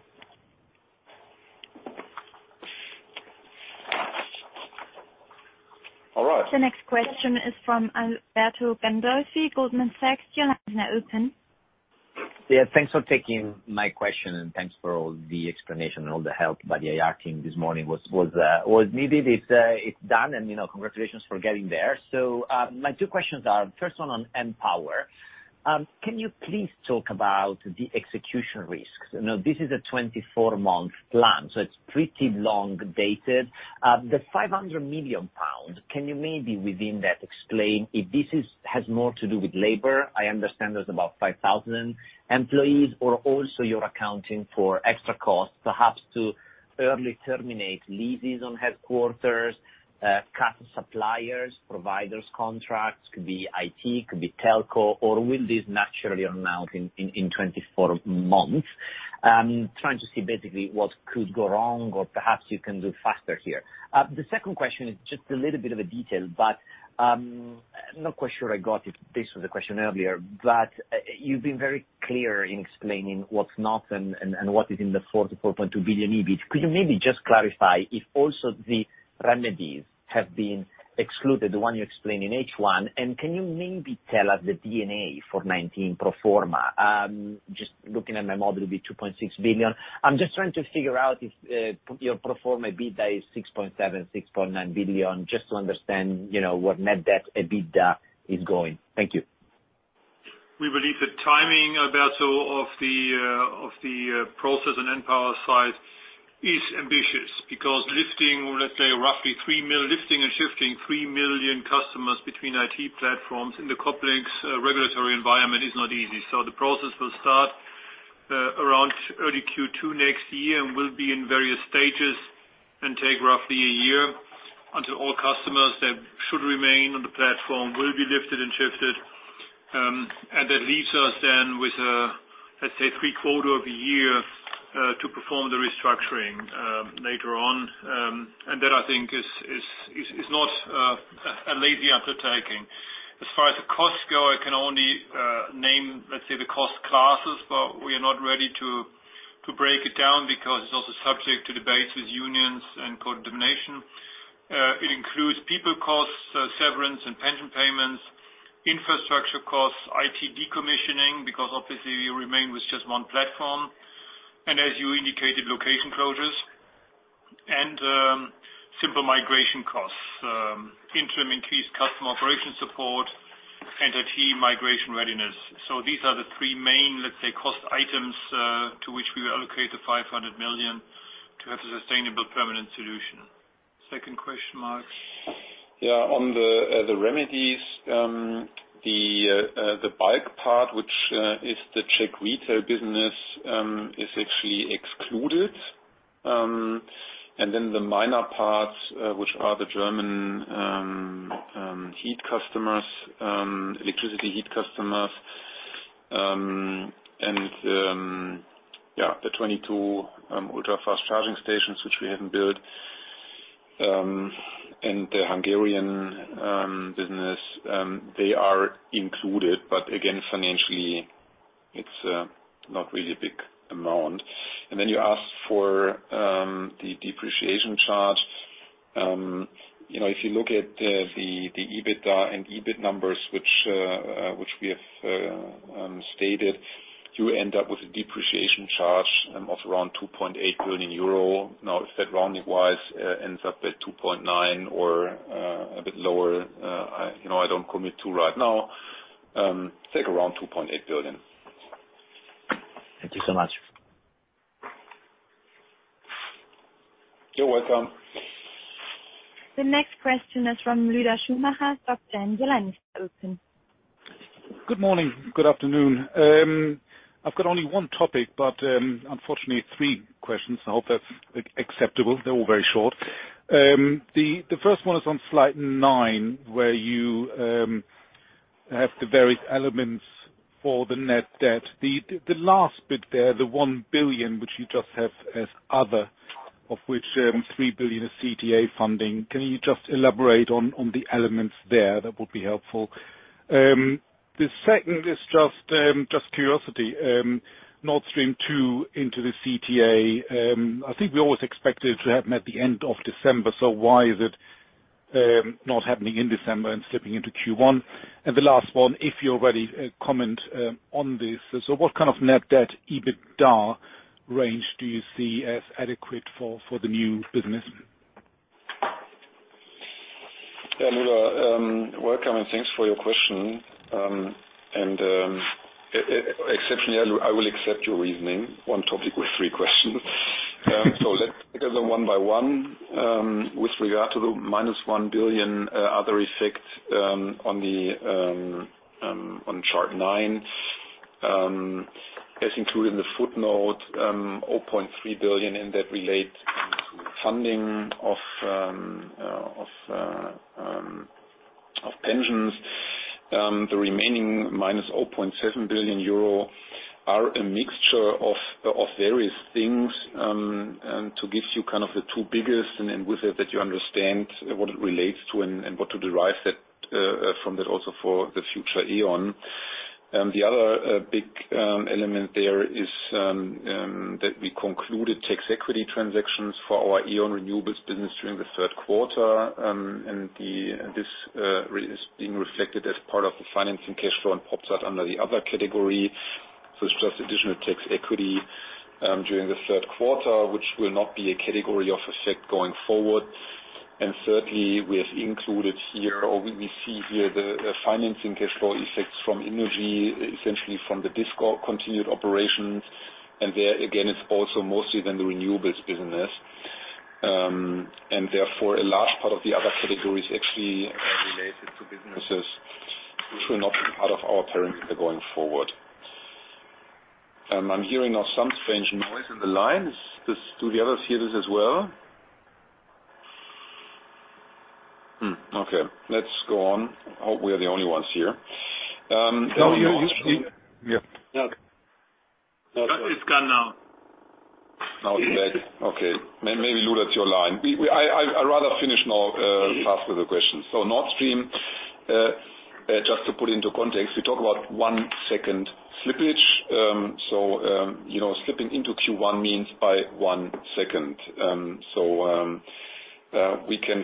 All right. The next question is from Alberto Gandolfi, Goldman Sachs. Your line is now open. Thanks for taking my question, and thanks for all the explanation and all the help by the IR team this morning. Was needed, it's done, and congratulations for getting there. My two questions are, first one on Npower. Can you please talk about the execution risks? This is a 24-month plan, so it's pretty long-dated. The 500 million pound, can you maybe within that explain if this has more to do with labor, I understand there's about 5,000 employees. Also you're accounting for extra costs, perhaps to early terminate leases on headquarters, cut suppliers, providers contracts, could be IT, could be telco, or will this naturally amount in 24 months? I'm trying to see basically what could go wrong or perhaps you can do faster here. The second question is just a little bit of a detail, but I'm not quite sure I got it. This was a question earlier, but you've been very clear in explaining what's not and what is in the 4 billion-4.2 billion EBIT. Could you maybe just clarify if also the remedies have been excluded, the one you explained in H1, and can you maybe tell us the EBITDA for 2019 pro forma? Just looking at my model, it will be 2.6 billion. I'm just trying to figure out if your pro forma EBITDA is 6.7 billion, 6.9 billion, just to understand what net debt EBITDA is going. Thank you. We believe the timing, Alberto, of the process on npower's side is ambitious. Lifting and shifting 3 million customers between IT platforms in the complex regulatory environment is not easy. The process will start around early Q2 next year and will be in various stages and take roughly one year until all customers that should remain on the platform will be lifted and shifted. That leaves us with, let's say, three quarter of one year to perform the restructuring later on. That I think is not a lazy undertaking. As far as the costs go, I can only name, let's say, the cost classes. We are not ready to break it down because it's also subject to debates with unions and co-determination. It includes people costs, severance and pension payments, infrastructure costs, IT decommissioning. Obviously you remain with just one platform. As you indicated, location closures and simple migration costs. Interim increased customer operation support and IT migration readiness. These are the three main, let's say, cost items, to which we will allocate the 500 million to have a sustainable permanent solution. Second question, Marc? On the remedies, the bike part, which is the Czech retail business, is actually excluded. The minor parts, which are the German heat customers, electricity heat customers, and the 22 ultra-fast charging stations which we haven't built, and the Hungarian business, they are included. Again, financially, it's not really a big amount. You asked for the depreciation charge. If you look at the EBITDA and EBIT numbers, which we have stated, you end up with a depreciation charge of around 2.8 billion euro. If that rounding-wise ends up at 2.9 or a bit lower, I don't commit to right now. Take around 2.8 billion. Thank you so much. You're welcome. The next question is from Lueder Schumacher of Societe Generale. Your line is open. Good morning, good afternoon. I've got only one topic, but unfortunately, three questions. I hope that's acceptable. They're all very short. The first one is on slide nine, where you have the various elements for the net debt. The last bit there, the 1 billion, which you just have as other, of which 3 billion is CTA funding. Can you just elaborate on the elements there? That would be helpful. The second is just curiosity. Nord Stream II into the CTA. Why is it not happening in December and slipping into Q1? The last one, if you're ready, comment on this. What kind of net debt-EBITDA range do you see as adequate for the new business? Lueder, welcome. Thanks for your question. Exceptionally, I will accept your reasoning, one topic with three questions. Let's take them one by one. With regard to the minus 1 billion other effect on chart nine. As included in the footnote, 0.3 billion in that relate funding of pensions. The remaining minus 0.7 billion euro are a mixture of various things. To give you the two biggest, and with it that you understand what it relates to and what to derive from that also for the future E.ON. The other big element there is that we concluded tax equity transactions for our E.ON Renewables business during the third quarter. This is being reflected as part of the financing cash flow and pops up under the other category. It's just additional tax equity during the third quarter, which will not be a category of effect going forward. Thirdly, we have included here, or we see here, the financing cash flow effects from innogy, essentially from the discontinued operations. There, again, it's also mostly then the renewables business. Therefore, a large part of the other category is actually related to businesses which will not be part of our parent going forward. I'm hearing now some strange noise on the line. Do the others hear this as well? Okay. Let's go on. Hope we are the only ones here. No. Yeah. Okay. It's gone now. Now it's back. Okay. Maybe, Lueder, it's your line. I rather finish now. fast with the questions. Nord Stream, just to put into context, we talk about one second slippage. Slipping into Q1 means by one second. We can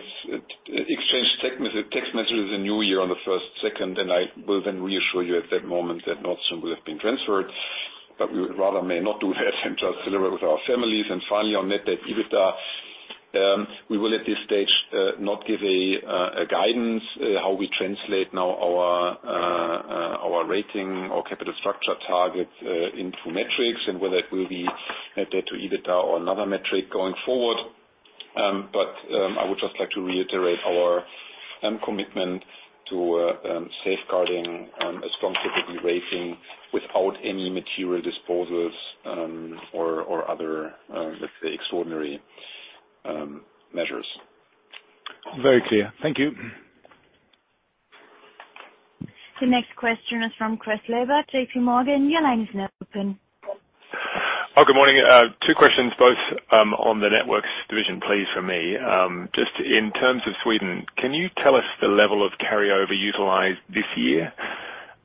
exchange text messages in New Year on the first, second, and I will then reassure you at that moment that Nord Stream will have been transferred, but we would rather may not do that and just celebrate with our families. Finally, on net debt EBITDA, we will at this stage not give a guidance how we translate now our rating, our capital structure target into metrics and whether it will be net debt to EBITDA or another metric going forward. I would just like to reiterate our commitment to safeguarding a strong credit rating without any material disposals or other, let's say, extraordinary measures. Very clear. Thank you. The next question is from Chris Laybutt, JPMorgan. Your line is now open. Oh, good morning. Two questions, both on the Networks division, please, from me. Just in terms of Sweden, can you tell us the level of carryover utilized this year?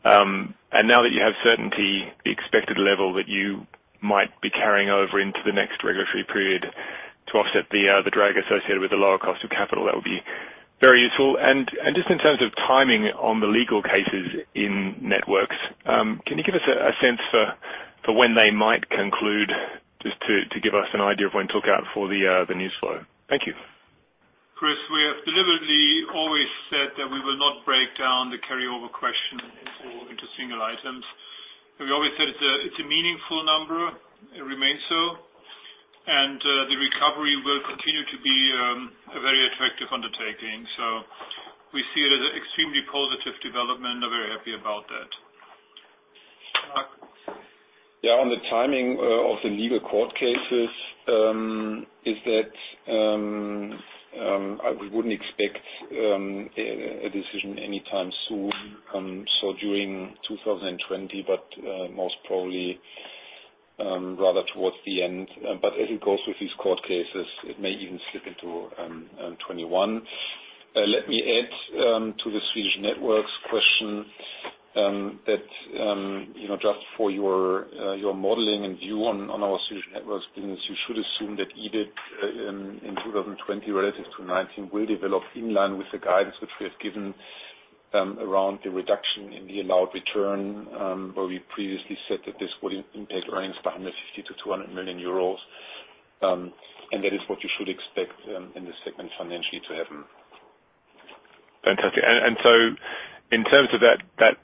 Now that you have certainty, the expected level that you might be carrying over into the next regulatory period to offset the drag associated with the lower cost of capital, that would be very useful. Just in terms of timing on the legal cases in Networks, can you give us a sense for when they might conclude, just to give us an idea of when to look out for the news flow? Thank you. Chris, we have deliberately always said that we will not break down the carryover question into single items. We always said it's a meaningful number. It remains so. The recovery will continue to be a very attractive undertaking. We see it as an extremely positive development and are very happy about that. Yeah, on the timing of the legal court cases, is that we wouldn't expect a decision anytime soon. During 2020, most probably rather towards the end. As it goes with these court cases, it may even slip into 2021. Let me add to the Swedish Networks question, that just for your modeling and view on our Swedish Networks business, you should assume that EBIT in 2020 relative to 2019 will develop in line with the guidance which we have given around the reduction in the allowed return, where we previously said that this would impact earnings by 150 million-200 million euros. That is what you should expect in this segment financially to happen. Fantastic. In terms of that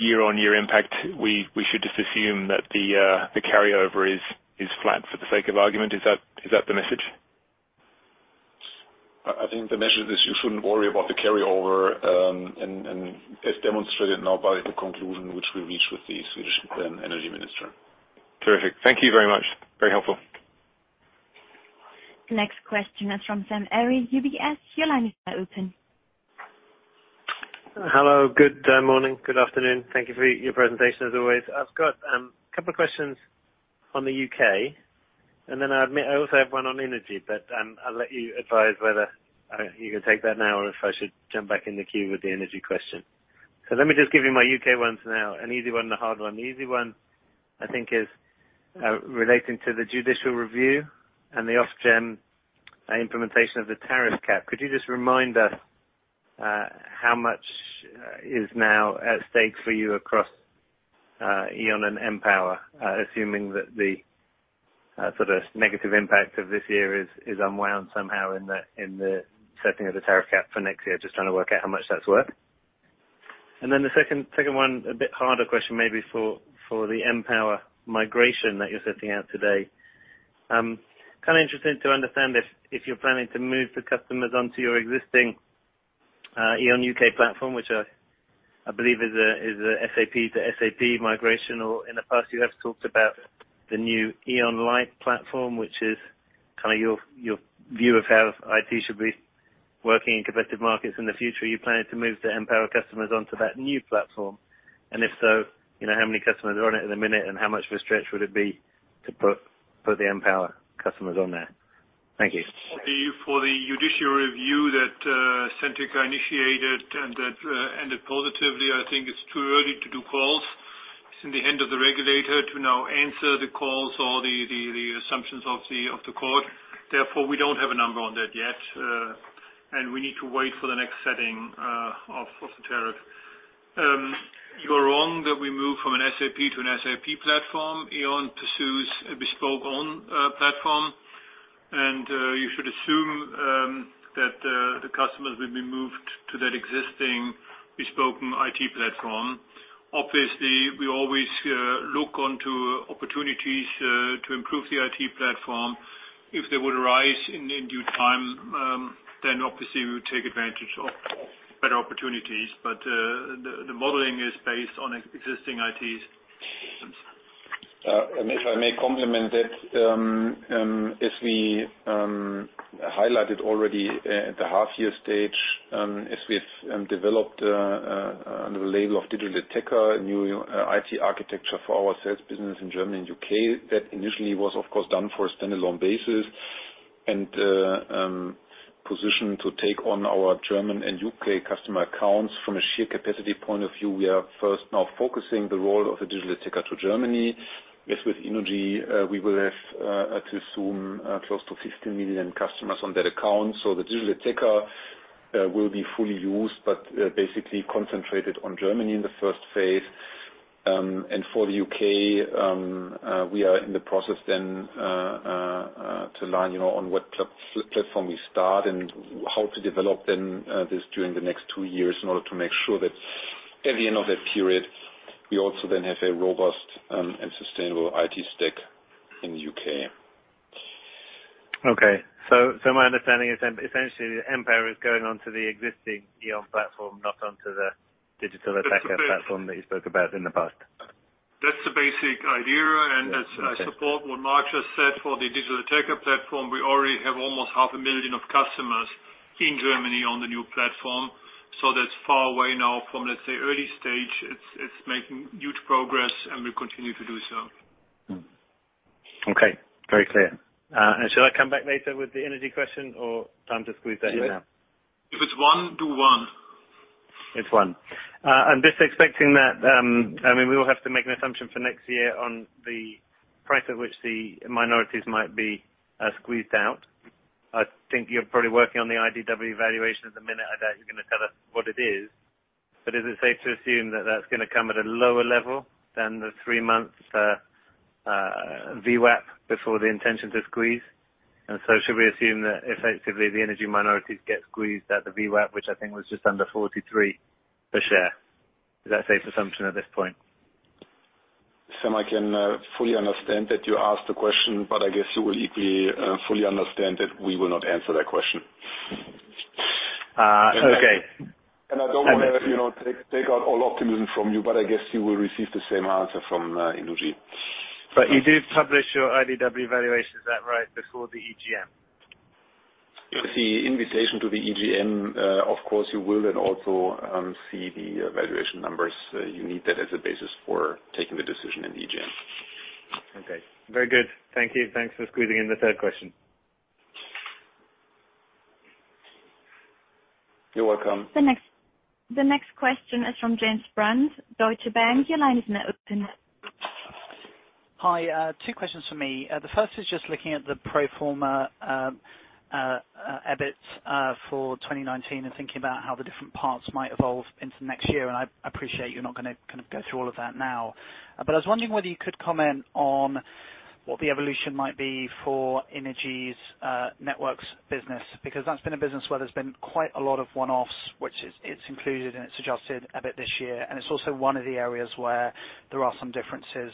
year-on-year impact, we should just assume that the carryover is flat for the sake of argument. Is that the message? I think the measure is you shouldn't worry about the carryover, and as demonstrated now by the conclusion which we reached with the Swedish Energy Minister. Terrific. Thank you very much. Very helpful. The next question is from Sam Arie, UBS. Your line is now open. Hello. Good morning. Good afternoon. Thank you for your presentation as always. I've got a couple of questions on the U.K., and then, I admit, I also have one on energy. I'll let you advise whether you can take that now or if I should jump back in the queue with the energy question. Let me just give you my U.K. ones now. An easy one and a hard one. The easy one, I think, is relating to the judicial review and the Ofgem implementation of the tariff cap. Could you just remind us how much is now at stake for you across E.ON and npower, assuming that the negative impact of this year is unwound somehow in the setting of the tariff cap for next year? Just trying to work out how much that's worth. The second one, a bit harder question maybe for the npower migration that you're setting out today. Kind of interested to understand if you're planning to move the customers onto your existing E.ON UK platform, which I believe is a SAP to SAP migration, or in the past you have talked about the new E.ON Light platform, which is your view of how IT should be working in competitive markets in the future. Are you planning to move the npower customers onto that new platform? If so, how many customers are on it at the minute, and how much of a stretch would it be to put the npower customers on there? Thank you. For the judicial review that Centrica initiated that ended positively, I think it's too early to do calls. It's in the hand of the regulator to now answer the calls or the assumptions of the court. Therefore, we don't have a number on that yet. We need to wait for the next setting of the tariff. You're wrong that we moved from an SAP to an SAP platform. E.ON pursues a bespoke own platform. You should assume that the customers will be moved to that existing bespoke IT platform. Obviously, we always look onto opportunities to improve the IT platform. If they would arise in due time, then obviously we would take advantage of better opportunities. The modeling is based on existing IT systems. If I may complement that, as we highlighted already at the half-year stage, as we have developed under the label of Digital Theker, a new IT architecture for our sales business in Germany and U.K. Initially was, of course, done for a standalone basis and positioned to take on our German and U.K. customer accounts. From a sheer capacity point of view, we are first now focusing the role of a Digital Theker to Germany. With Innogy, we will have to assume close to 15 million customers on that account. The Digital Theker will be fully used, but basically concentrated on Germany in the first phase. For the U.K., we are in the process then to line on what platform we start and how to develop then this during the next two years in order to make sure that at the end of that period, we also then have a robust and sustainable IT stack in the U.K. My understanding is that essentially npower is going onto the existing E.ON platform, not onto the Digital Theker platform that you spoke about in the past. That's the basic idea. Yeah. Okay. I support what Marc just said. For the Digital Theker platform, we already have almost half a million of customers in Germany on the new platform. That's far away now from, let's say, early stage. It's making huge progress, and we continue to do so. Okay. Very clear. Should I come back later with the energy question, or time to squeeze that in now? If it's one, do one. It's one. I'm just expecting that, we all have to make an assumption for next year on the price at which the minorities might be squeezed out. I think you're probably working on the IDW valuation at the minute. I doubt you're going to tell us what it is. Is it safe to assume that that's going to come at a lower level than the three months VWAP before the intention to squeeze? Should we assume that effectively the energy minorities get squeezed at the VWAP, which I think was just under 43 a share? Is that a safe assumption at this point? Sam, I can fully understand that you asked the question, but I guess you will equally fully understand that we will not answer that question. Okay. I don't want to take out all optimism from you, but I guess you will receive the same answer from innogy. You do publish your IDW valuation, is that right? Before the EGM. With the invitation to the EGM, of course, you will then also see the valuation numbers. You need that as a basis for taking the decision in EGM. Okay. Very good. Thank you. Thanks for squeezing in the third question. You're welcome. The next question is from James Brand, Deutsche Bank. Your line is now open. Hi. Two questions from me. The first is just looking at the pro forma EBIT for 2019 and thinking about how the different parts might evolve into next year. I appreciate you're not going to go through all of that now. I was wondering whether you could comment on what the evolution might be for Innogy's networks business, because that's been a business where there's been quite a lot of one-offs, which it's included and it's adjusted a bit this year. It's also one of the areas where there are some differences,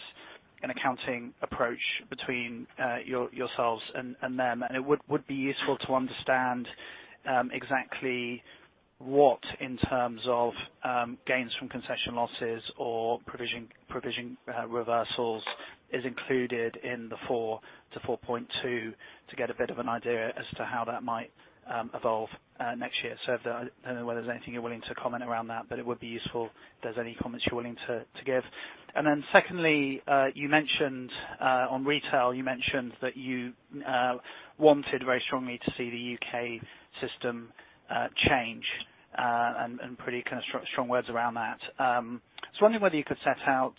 an accounting approach between yourselves and them. It would be useful to understand exactly what, in terms of gains from concession losses or provision reversals is included in the 4-4.2 to get a bit of an idea as to how that might evolve next year. I don't know whether there's anything you're willing to comment around that, but it would be useful if there's any comments you're willing to give. Secondly, you mentioned on retail, you mentioned that you wanted very strongly to see the U.K. system change, and pretty strong words around that. Wondering whether you could set out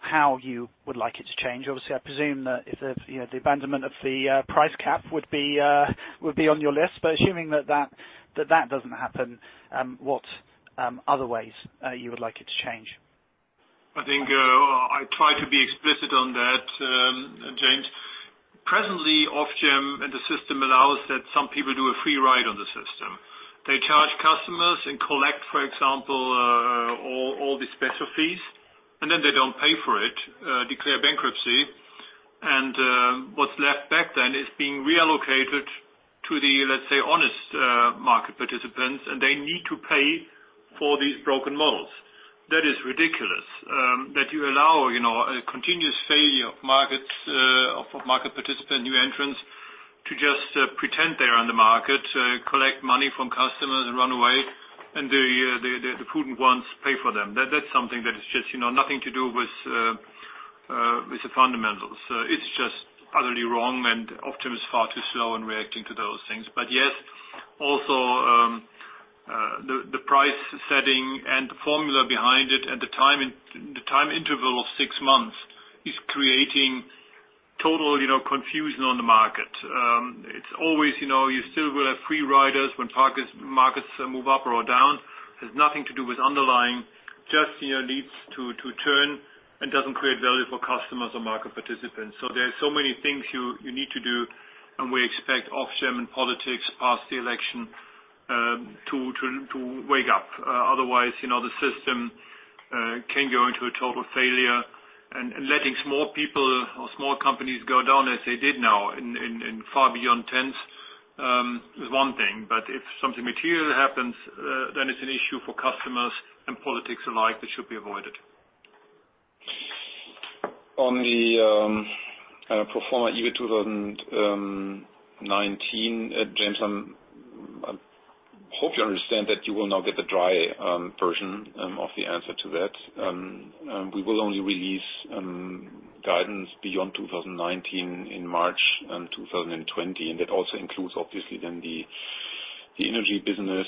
how you would like it to change. Obviously, I presume that if the abandonment of the price cap would be on your list, but assuming that doesn't happen, what other ways you would like it to change? I think I try to be explicit on that, James. Presently, Ofgem and the system allows that some people do a free ride on the system. They charge customers and collect, for example, all the special fees, and then they don't pay for it, declare bankruptcy. What's left back then is being reallocated to the, let's say, honest market participants, and they need to pay for these broken models. That is ridiculous, that you allow a continuous failure of market participant, new entrants to just pretend they are on the market, collect money from customers and run away, and the prudent ones pay for them. That's something that is just nothing to do with the fundamentals. It's just utterly wrong, and Ofgem is far too slow in reacting to those things. Yes, also, the price setting and the formula behind it, and the time interval of six months is creating total confusion on the market. It's always, you still will have free riders when markets move up or down. It has nothing to do with underlying, just needs to turn, and doesn't create value for customers or market participants. There are so many things you need to do, and we expect Ofgem and politics past the election to wake up. Otherwise, the system can go into a total failure. Letting small people or small companies go down as they did now in far beyond tens is one thing. If something material happens, then it's an issue for customers and politics alike that should be avoided. On the pro forma EBIT 2019, James, I hope you understand that you will now get the dry version of the answer to that. We will only release guidance beyond 2019 in March 2020, and that also includes obviously then the energy business.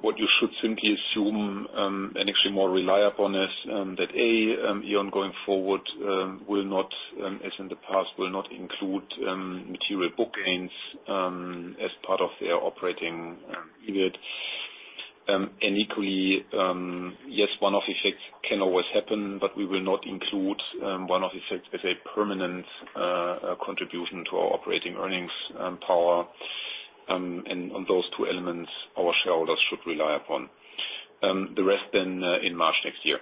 What you should simply assume, and actually more rely upon is that A, E.ON going forward will not, as in the past, will not include material book gains as part of their operating unit. Equally, yes, one-off effects can always happen, but we will not include one-off effects as a permanent contribution to our operating earnings power. On those two elements, our shareholders should rely upon. The rest then, in March next year.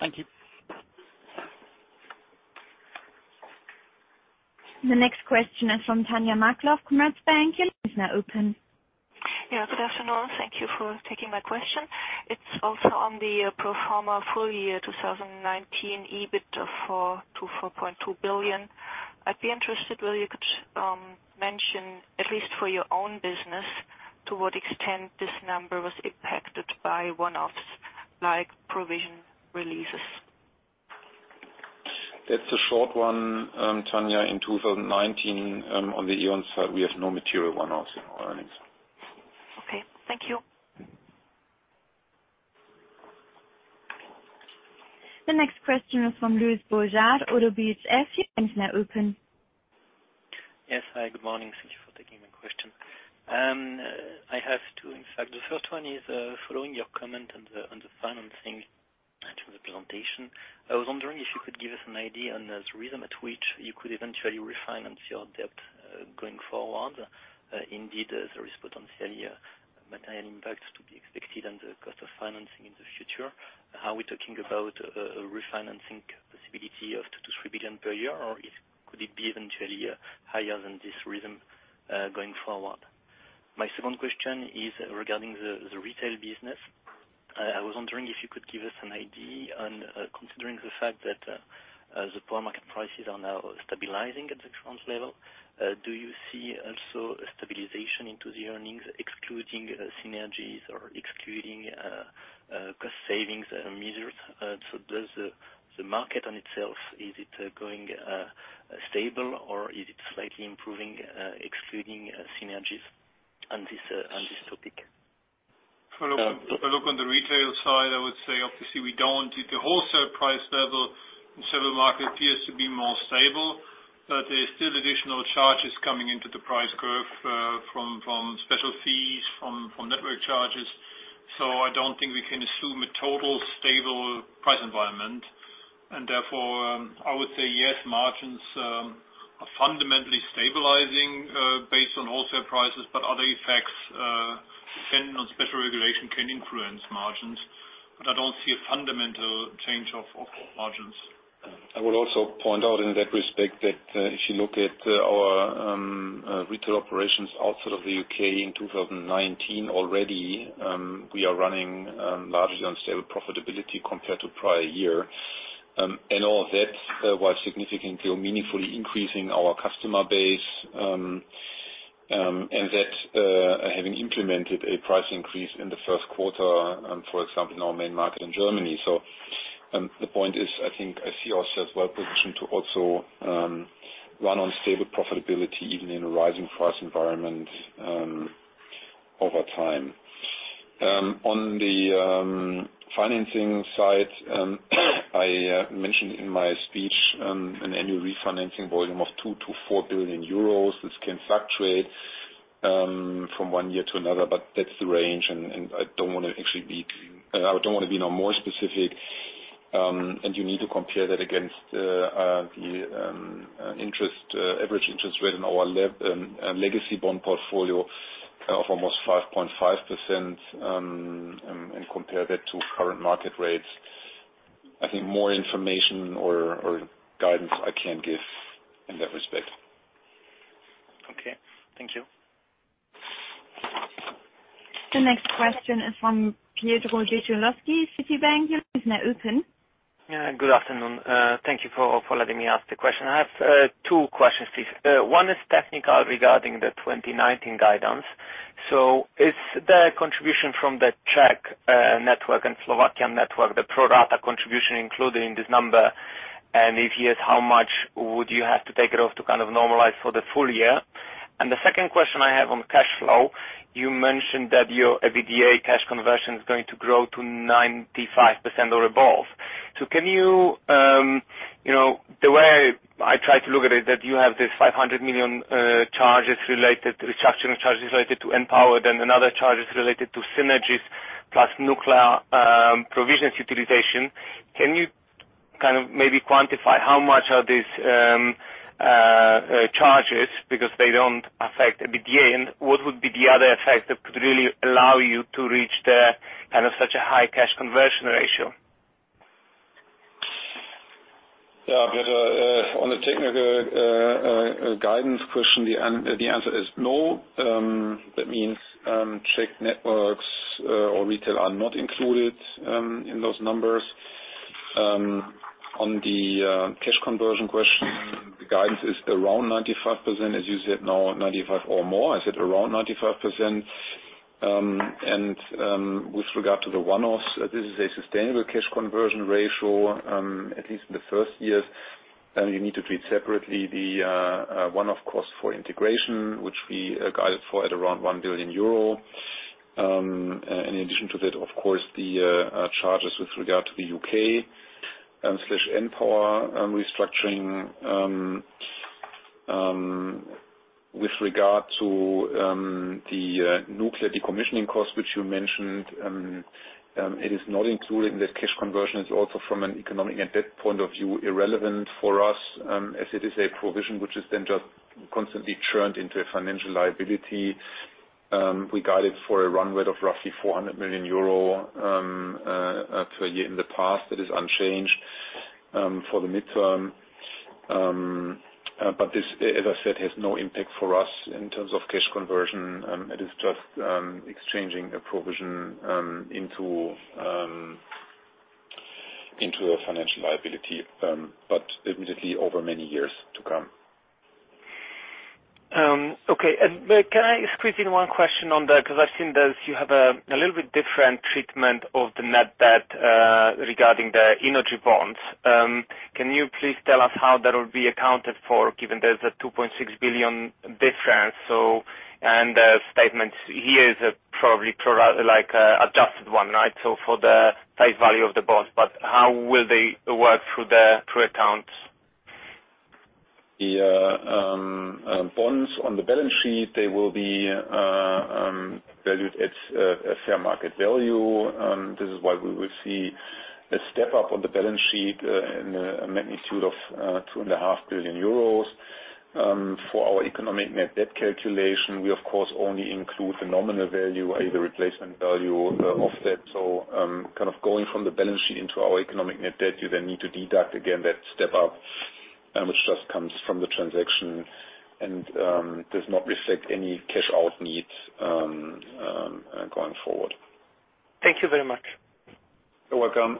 Thank you. The next question is from Tanja Markloff, Commerzbank. Your line is now open. Good afternoon. Thank you for taking my question. It's also on the pro forma full year 2019 EBIT of 4 billion-4.2 billion. I'd be interested whether you could mention, at least for your own business, to what extent this number was impacted by one-offs, like provision releases. That's a short one, Tanja. In 2019, on the E.ON side, we have no material one-offs in our earnings. Okay, thank you. The next question is from Louis Boujard, ODDO BHF. Your line is now open. Yes. Hi, good morning. Thank you for taking my question. I have two, in fact. The first one is, following your comment on the financing to the presentation, I was wondering if you could give us an idea on the rhythm at which you could eventually refinance your debt, going forward. There is potentially a material impact to be expected on the cost of financing in the future. Are we talking about a refinancing possibility of 2 billion to 3 billion per year, or could it be eventually higher than this rhythm going forward? My second question is regarding the retail business. I was wondering if you could give us an idea on considering the fact that the power market prices are now stabilizing at the current level. Do you see also a stabilization into the earnings, excluding synergies or excluding cost savings measures? Does the market on itself, is it going stable or is it slightly improving, excluding synergies on this topic? If I look on the retail side, I would say obviously we don't. At the wholesale price level, the silver market appears to be more stable, but there's still additional charges coming into the price curve from special fees, from network charges. I don't think we can assume a total stable price environment. Therefore, I would say yes, margins fundamentally stabilizing based on wholesale prices, but other effects depending on special regulation can influence margins, but I don't see a fundamental change of margins. I would also point out in that respect that if you look at our retail operations outside of the U.K. in 2019, already we are running largely on stable profitability compared to prior year. All of that while significantly or meaningfully increasing our customer base, and that having implemented a price increase in the first quarter, for example, in our main market in Germany. The point is, I think I see us as well-positioned to also run on stable profitability even in a rising price environment over time. On the financing side, I mentioned in my speech, an annual refinancing volume of 2 billion-4 billion euros. This can fluctuate from one year to another, but that's the range. I don't want to be more specific. You need to compare that against the average interest rate in our legacy bond portfolio of almost 5.5% and compare that to current market rates. I think more information or guidance I can't give in that respect. Okay. Thank you. The next question is from Piotr Boguslawski, Citi. Your line is now open. Good afternoon. Thank you for letting me ask the question. I have two questions, please. One is technical regarding the 2019 guidance. Is the contribution from the Czech network and Slovakian network, the pro rata contribution included in this number? If yes, how much would you have to take it off to normalize for the full year? The second question I have on cash flow, you mentioned that your EBITDA cash conversion is going to grow to 95% or above. Can you, the way I try to look at it, that you have this 500 million charges related, restructuring charges related to Npower, then another charges related to synergies plus nuclear provisions utilization. Can you maybe quantify how much are these charges, because they don't affect EBITDA. What would be the other effect that could really allow you to reach such a high cash conversion ratio? Yeah, Piotr, on the technical guidance question, the answer is no. That means Czech networks or retail are not included in those numbers. On the cash conversion question, the guidance is around 95%, as you said, not 95 or more. I said around 95%. With regard to the one-offs, this is a sustainable cash conversion ratio, at least in the first years. You need to treat separately the one-off cost for integration, which we guided for at around 1 billion euro. In addition to that, of course, the charges with regard to the U.K./Npower restructuring. With regard to the nuclear decommissioning cost, which you mentioned, it is not included in that cash conversion. It's also from an economic and debt point of view, irrelevant for us, as it is a provision which is then just constantly churned into a financial liability. We guided for a run rate of roughly 400 million euro per year in the past. That is unchanged for the midterm. This, as I said, has no impact for us in terms of cash conversion. It is just exchanging a provision into a financial liability. Admittedly over many years to come. Okay. Can I squeeze in one question on that? Because I've seen that you have a little bit different treatment of the net debt regarding the innogy bonds. Can you please tell us how that will be accounted for, given there's a 2.6 billion difference? The statement here is probably adjusted one, right? For the face value of the bonds, but how will they work through accounts? The bonds on the balance sheet, they will be valued at fair market value. This is why we will see a step-up on the balance sheet in a magnitude of two and a half billion EUR. For our economic net debt calculation, we of course only include the nominal value, i.e. the replacement value of that. Going from the balance sheet into our economic net debt, you then need to deduct again that step-up, which just comes from the transaction and does not reflect any cash-out needs going forward. Thank you very much. You're welcome.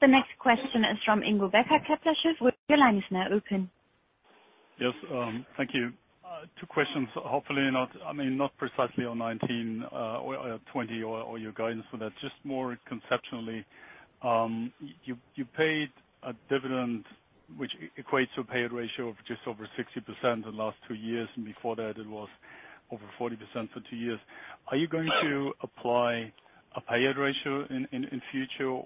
The next question is from Ingo Becker. Yes. Thank you. Two questions, hopefully, not precisely on 2019 or 2020 or your guidance for that, just more conceptually. You paid a dividend which equates to a payout ratio of just over 60% the last two years, and before that it was over 40% for two years. Are you going to apply a payout ratio in future?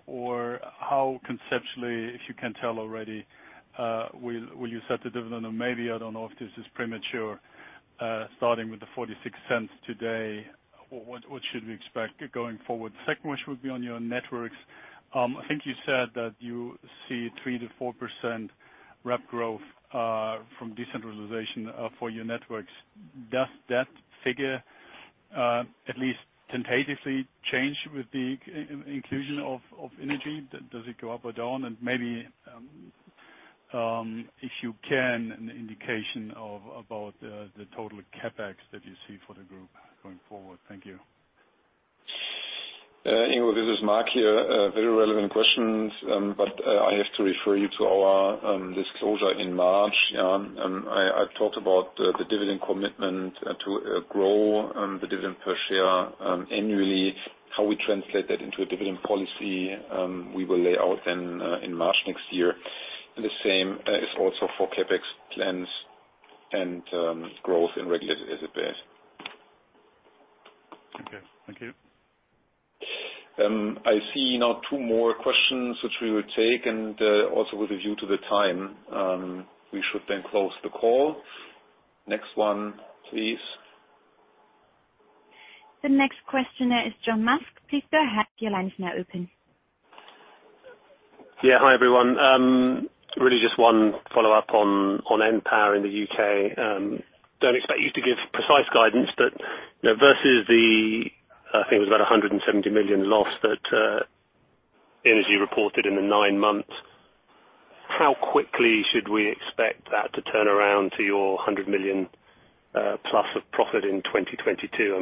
How conceptually, if you can tell already, will you set the dividend? Maybe, I don't know if this is premature? Starting with the 0.46 today, what should we expect going forward? Second question would be on your networks. I think you said that you see 3% to 4% rep growth from decentralization for your networks. Does that figure at least tentatively change with the inclusion of innogy? Does it go up or down? Maybe, if you can, an indication about the total CapEx that you see for the group going forward. Thank you. Ingo, this is Marc here. Very relevant questions. I have to refer you to our disclosure in March. I talked about the dividend commitment to grow the dividend per share annually. How we translate that into a dividend policy, we will lay out then in March next year. The same is also for CapEx plans and growth in regulated EBITDA. Okay. Thank you. I see now two more questions, which we will take. Also with a view to the time, we should then close the call. Next one, please. The next question is John Musk. Please go ahead. Your line is now open. Yeah. Hi, everyone. Really just one follow-up on Npower in the U.K. Don't expect you to give precise guidance, but versus the, I think it was about 170 million loss that innogy reported in the nine months, how quickly should we expect that to turn around to your 100 million plus of profit in 2022?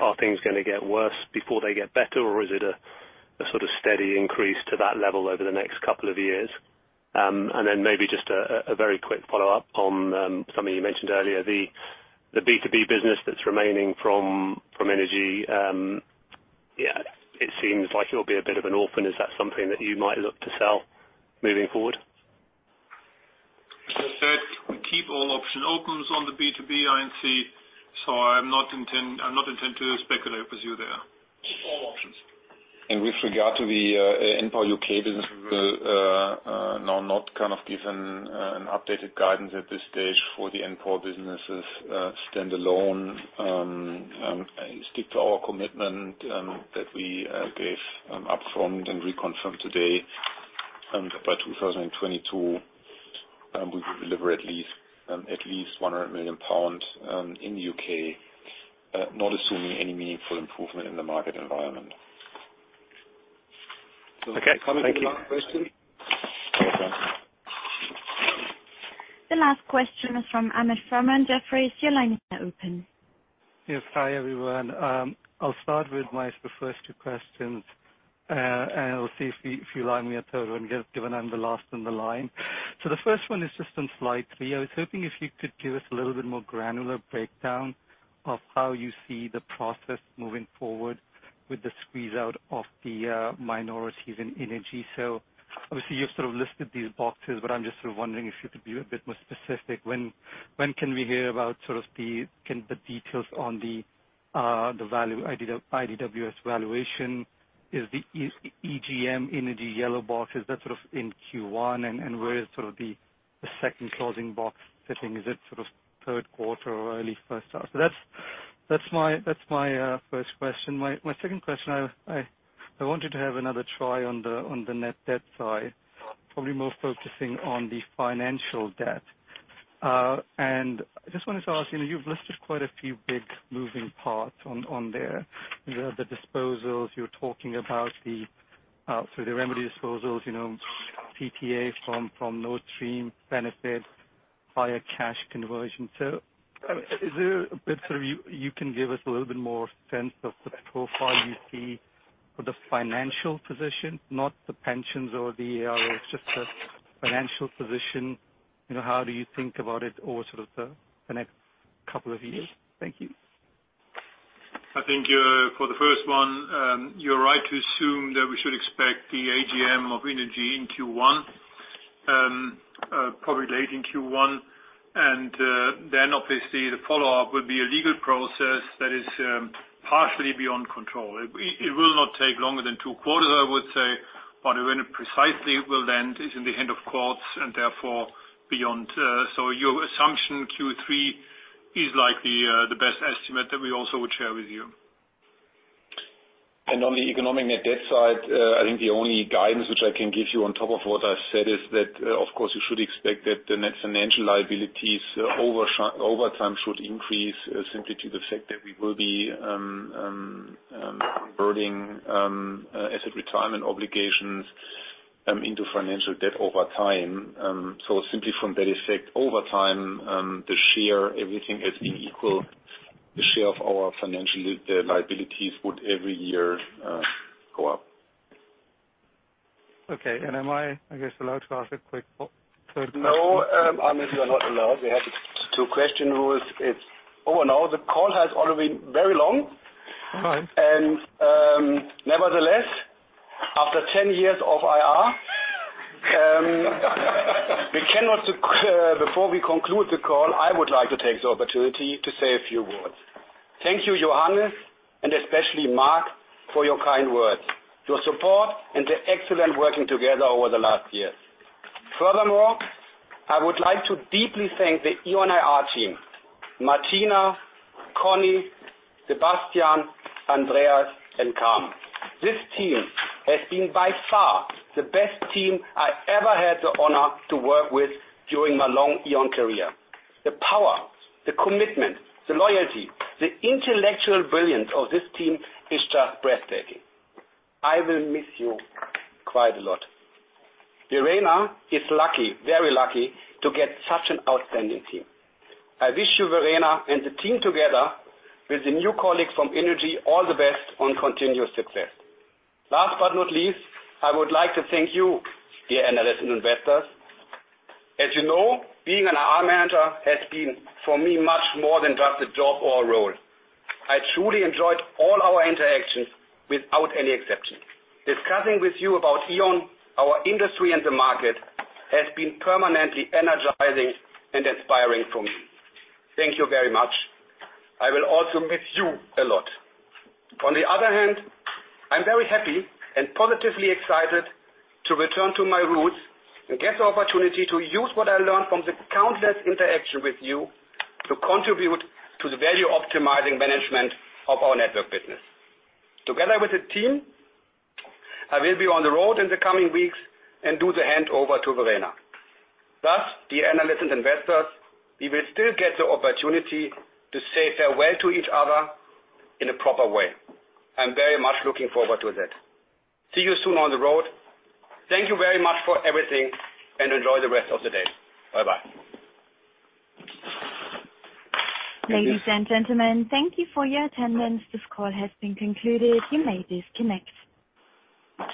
Are things going to get worse before they get better, or is it a steady increase to that level over the next couple of years? Maybe just a very quick follow-up on something you mentioned earlier, the B2B business that's remaining from innogy. It seems like it'll be a bit of an orphan. Is that something that you might look to sell moving forward? As I said, we keep all options open on the B2B I&C. I'm not intend to speculate with you there. Keep all options. With regard to the npower U.K. business, we will now not give an updated guidance at this stage for the npower businesses standalone. I stick to our commitment that we gave upfront and reconfirmed today, by 2022, we will deliver at least 100 million pounds in the U.K., not assuming any meaningful improvement in the market environment. Okay. Thank you. Coming to the last question. The last question is from Ahmed Farm, Jefferies. Your line is now open. Yes. Hi, everyone. I'll start with my first two questions, and I'll see if you allow me a third one, given I'm the last on the line. The first one is just on slide three. I was hoping if you could give us a little bit more granular breakdown of how you see the process moving forward with the squeeze-out of the minorities in innogy. Obviously, you've listed these boxes, I'm just wondering if you could be a bit more specific. When can we hear about the details on the IDW S1 valuation? Is the EGM innogy yellow box, is that in Q1, where is the second closing box sitting? Is it third quarter or early first half? That's my first question. My second question, I wanted to have another try on the net debt side, probably more focusing on the financial debt. I just wanted to ask, you've listed quite a few big moving parts on there. The disposals, you're talking about the remedy disposals, PPA from Nord Stream benefit, higher cash conversion. Is there a bit you can give us a little bit more sense of the profile you see for the financial position, not the pensions or the ARO, just the financial position. How do you think about it over the next couple of years? Thank you. I think, for the first one, you're right to assume that we should expect the AGM of innogy in Q1, probably late in Q1. Obviously, the follow-up will be a legal process that is partially beyond control. It will not take longer than two quarters, I would say, but when it precisely will end is in the hand of courts, and therefore, beyond. Your assumption, Q3, is likely the best estimate that we also would share with you. On the economic net debt side, I think the only guidance which I can give you on top of what I've said is that, of course, you should expect that the net financial liabilities over time should increase simply to the fact that we will be converting asset retirement obligations into financial debt over time. Simply from that effect, over time, everything else being equal, the share of our financial liabilities would every year go up. Okay. Am I allowed to ask a quick third question? No, Ahmed, you are not allowed. We have two question rules. It's over now. The call has already been very long. All right. Nevertheless, after 10 years of IR, before we conclude the call, I would like to take the opportunity to say a few words. Thank you, Johannes, and especially Marc, for your kind words, your support, and the excellent working together over the last years. Furthermore, I would like to deeply thank the E.ON IR team, Martina, Connie, Sebastian, Andreas, and Carl. This team has been by far the best team I've ever had the honor to work with during my long E.ON career. The power, the commitment, the loyalty, the intellectual brilliance of this team is just breathtaking. I will miss you quite a lot. Verena is lucky, very lucky, to get such an outstanding team. I wish you, Verena, and the team together with the new colleagues from innogy, all the best on continuous success. Last but not least, I would like to thank you, dear analysts and investors. As you know, being an IR manager has been for me much more than just a job or a role. I truly enjoyed all our interactions without any exception. Discussing with you about E.ON, our industry, and the market, has been permanently energizing and inspiring for me. Thank you very much. I will also miss you a lot. On the other hand, I'm very happy and positively excited to return to my roots and get the opportunity to use what I learned from the countless interactions with you to contribute to the value-optimizing management of our network business. Together with the team, I will be on the road in the coming weeks and do the handover to Verena. Dear analysts and investors, we will still get the opportunity to say farewell to each other in a proper way. I'm very much looking forward to that. See you soon on the road. Thank you very much for everything, and enjoy the rest of the day. Bye-bye. Ladies and gentlemen, thank you for your attendance. This call has been concluded. You may disconnect.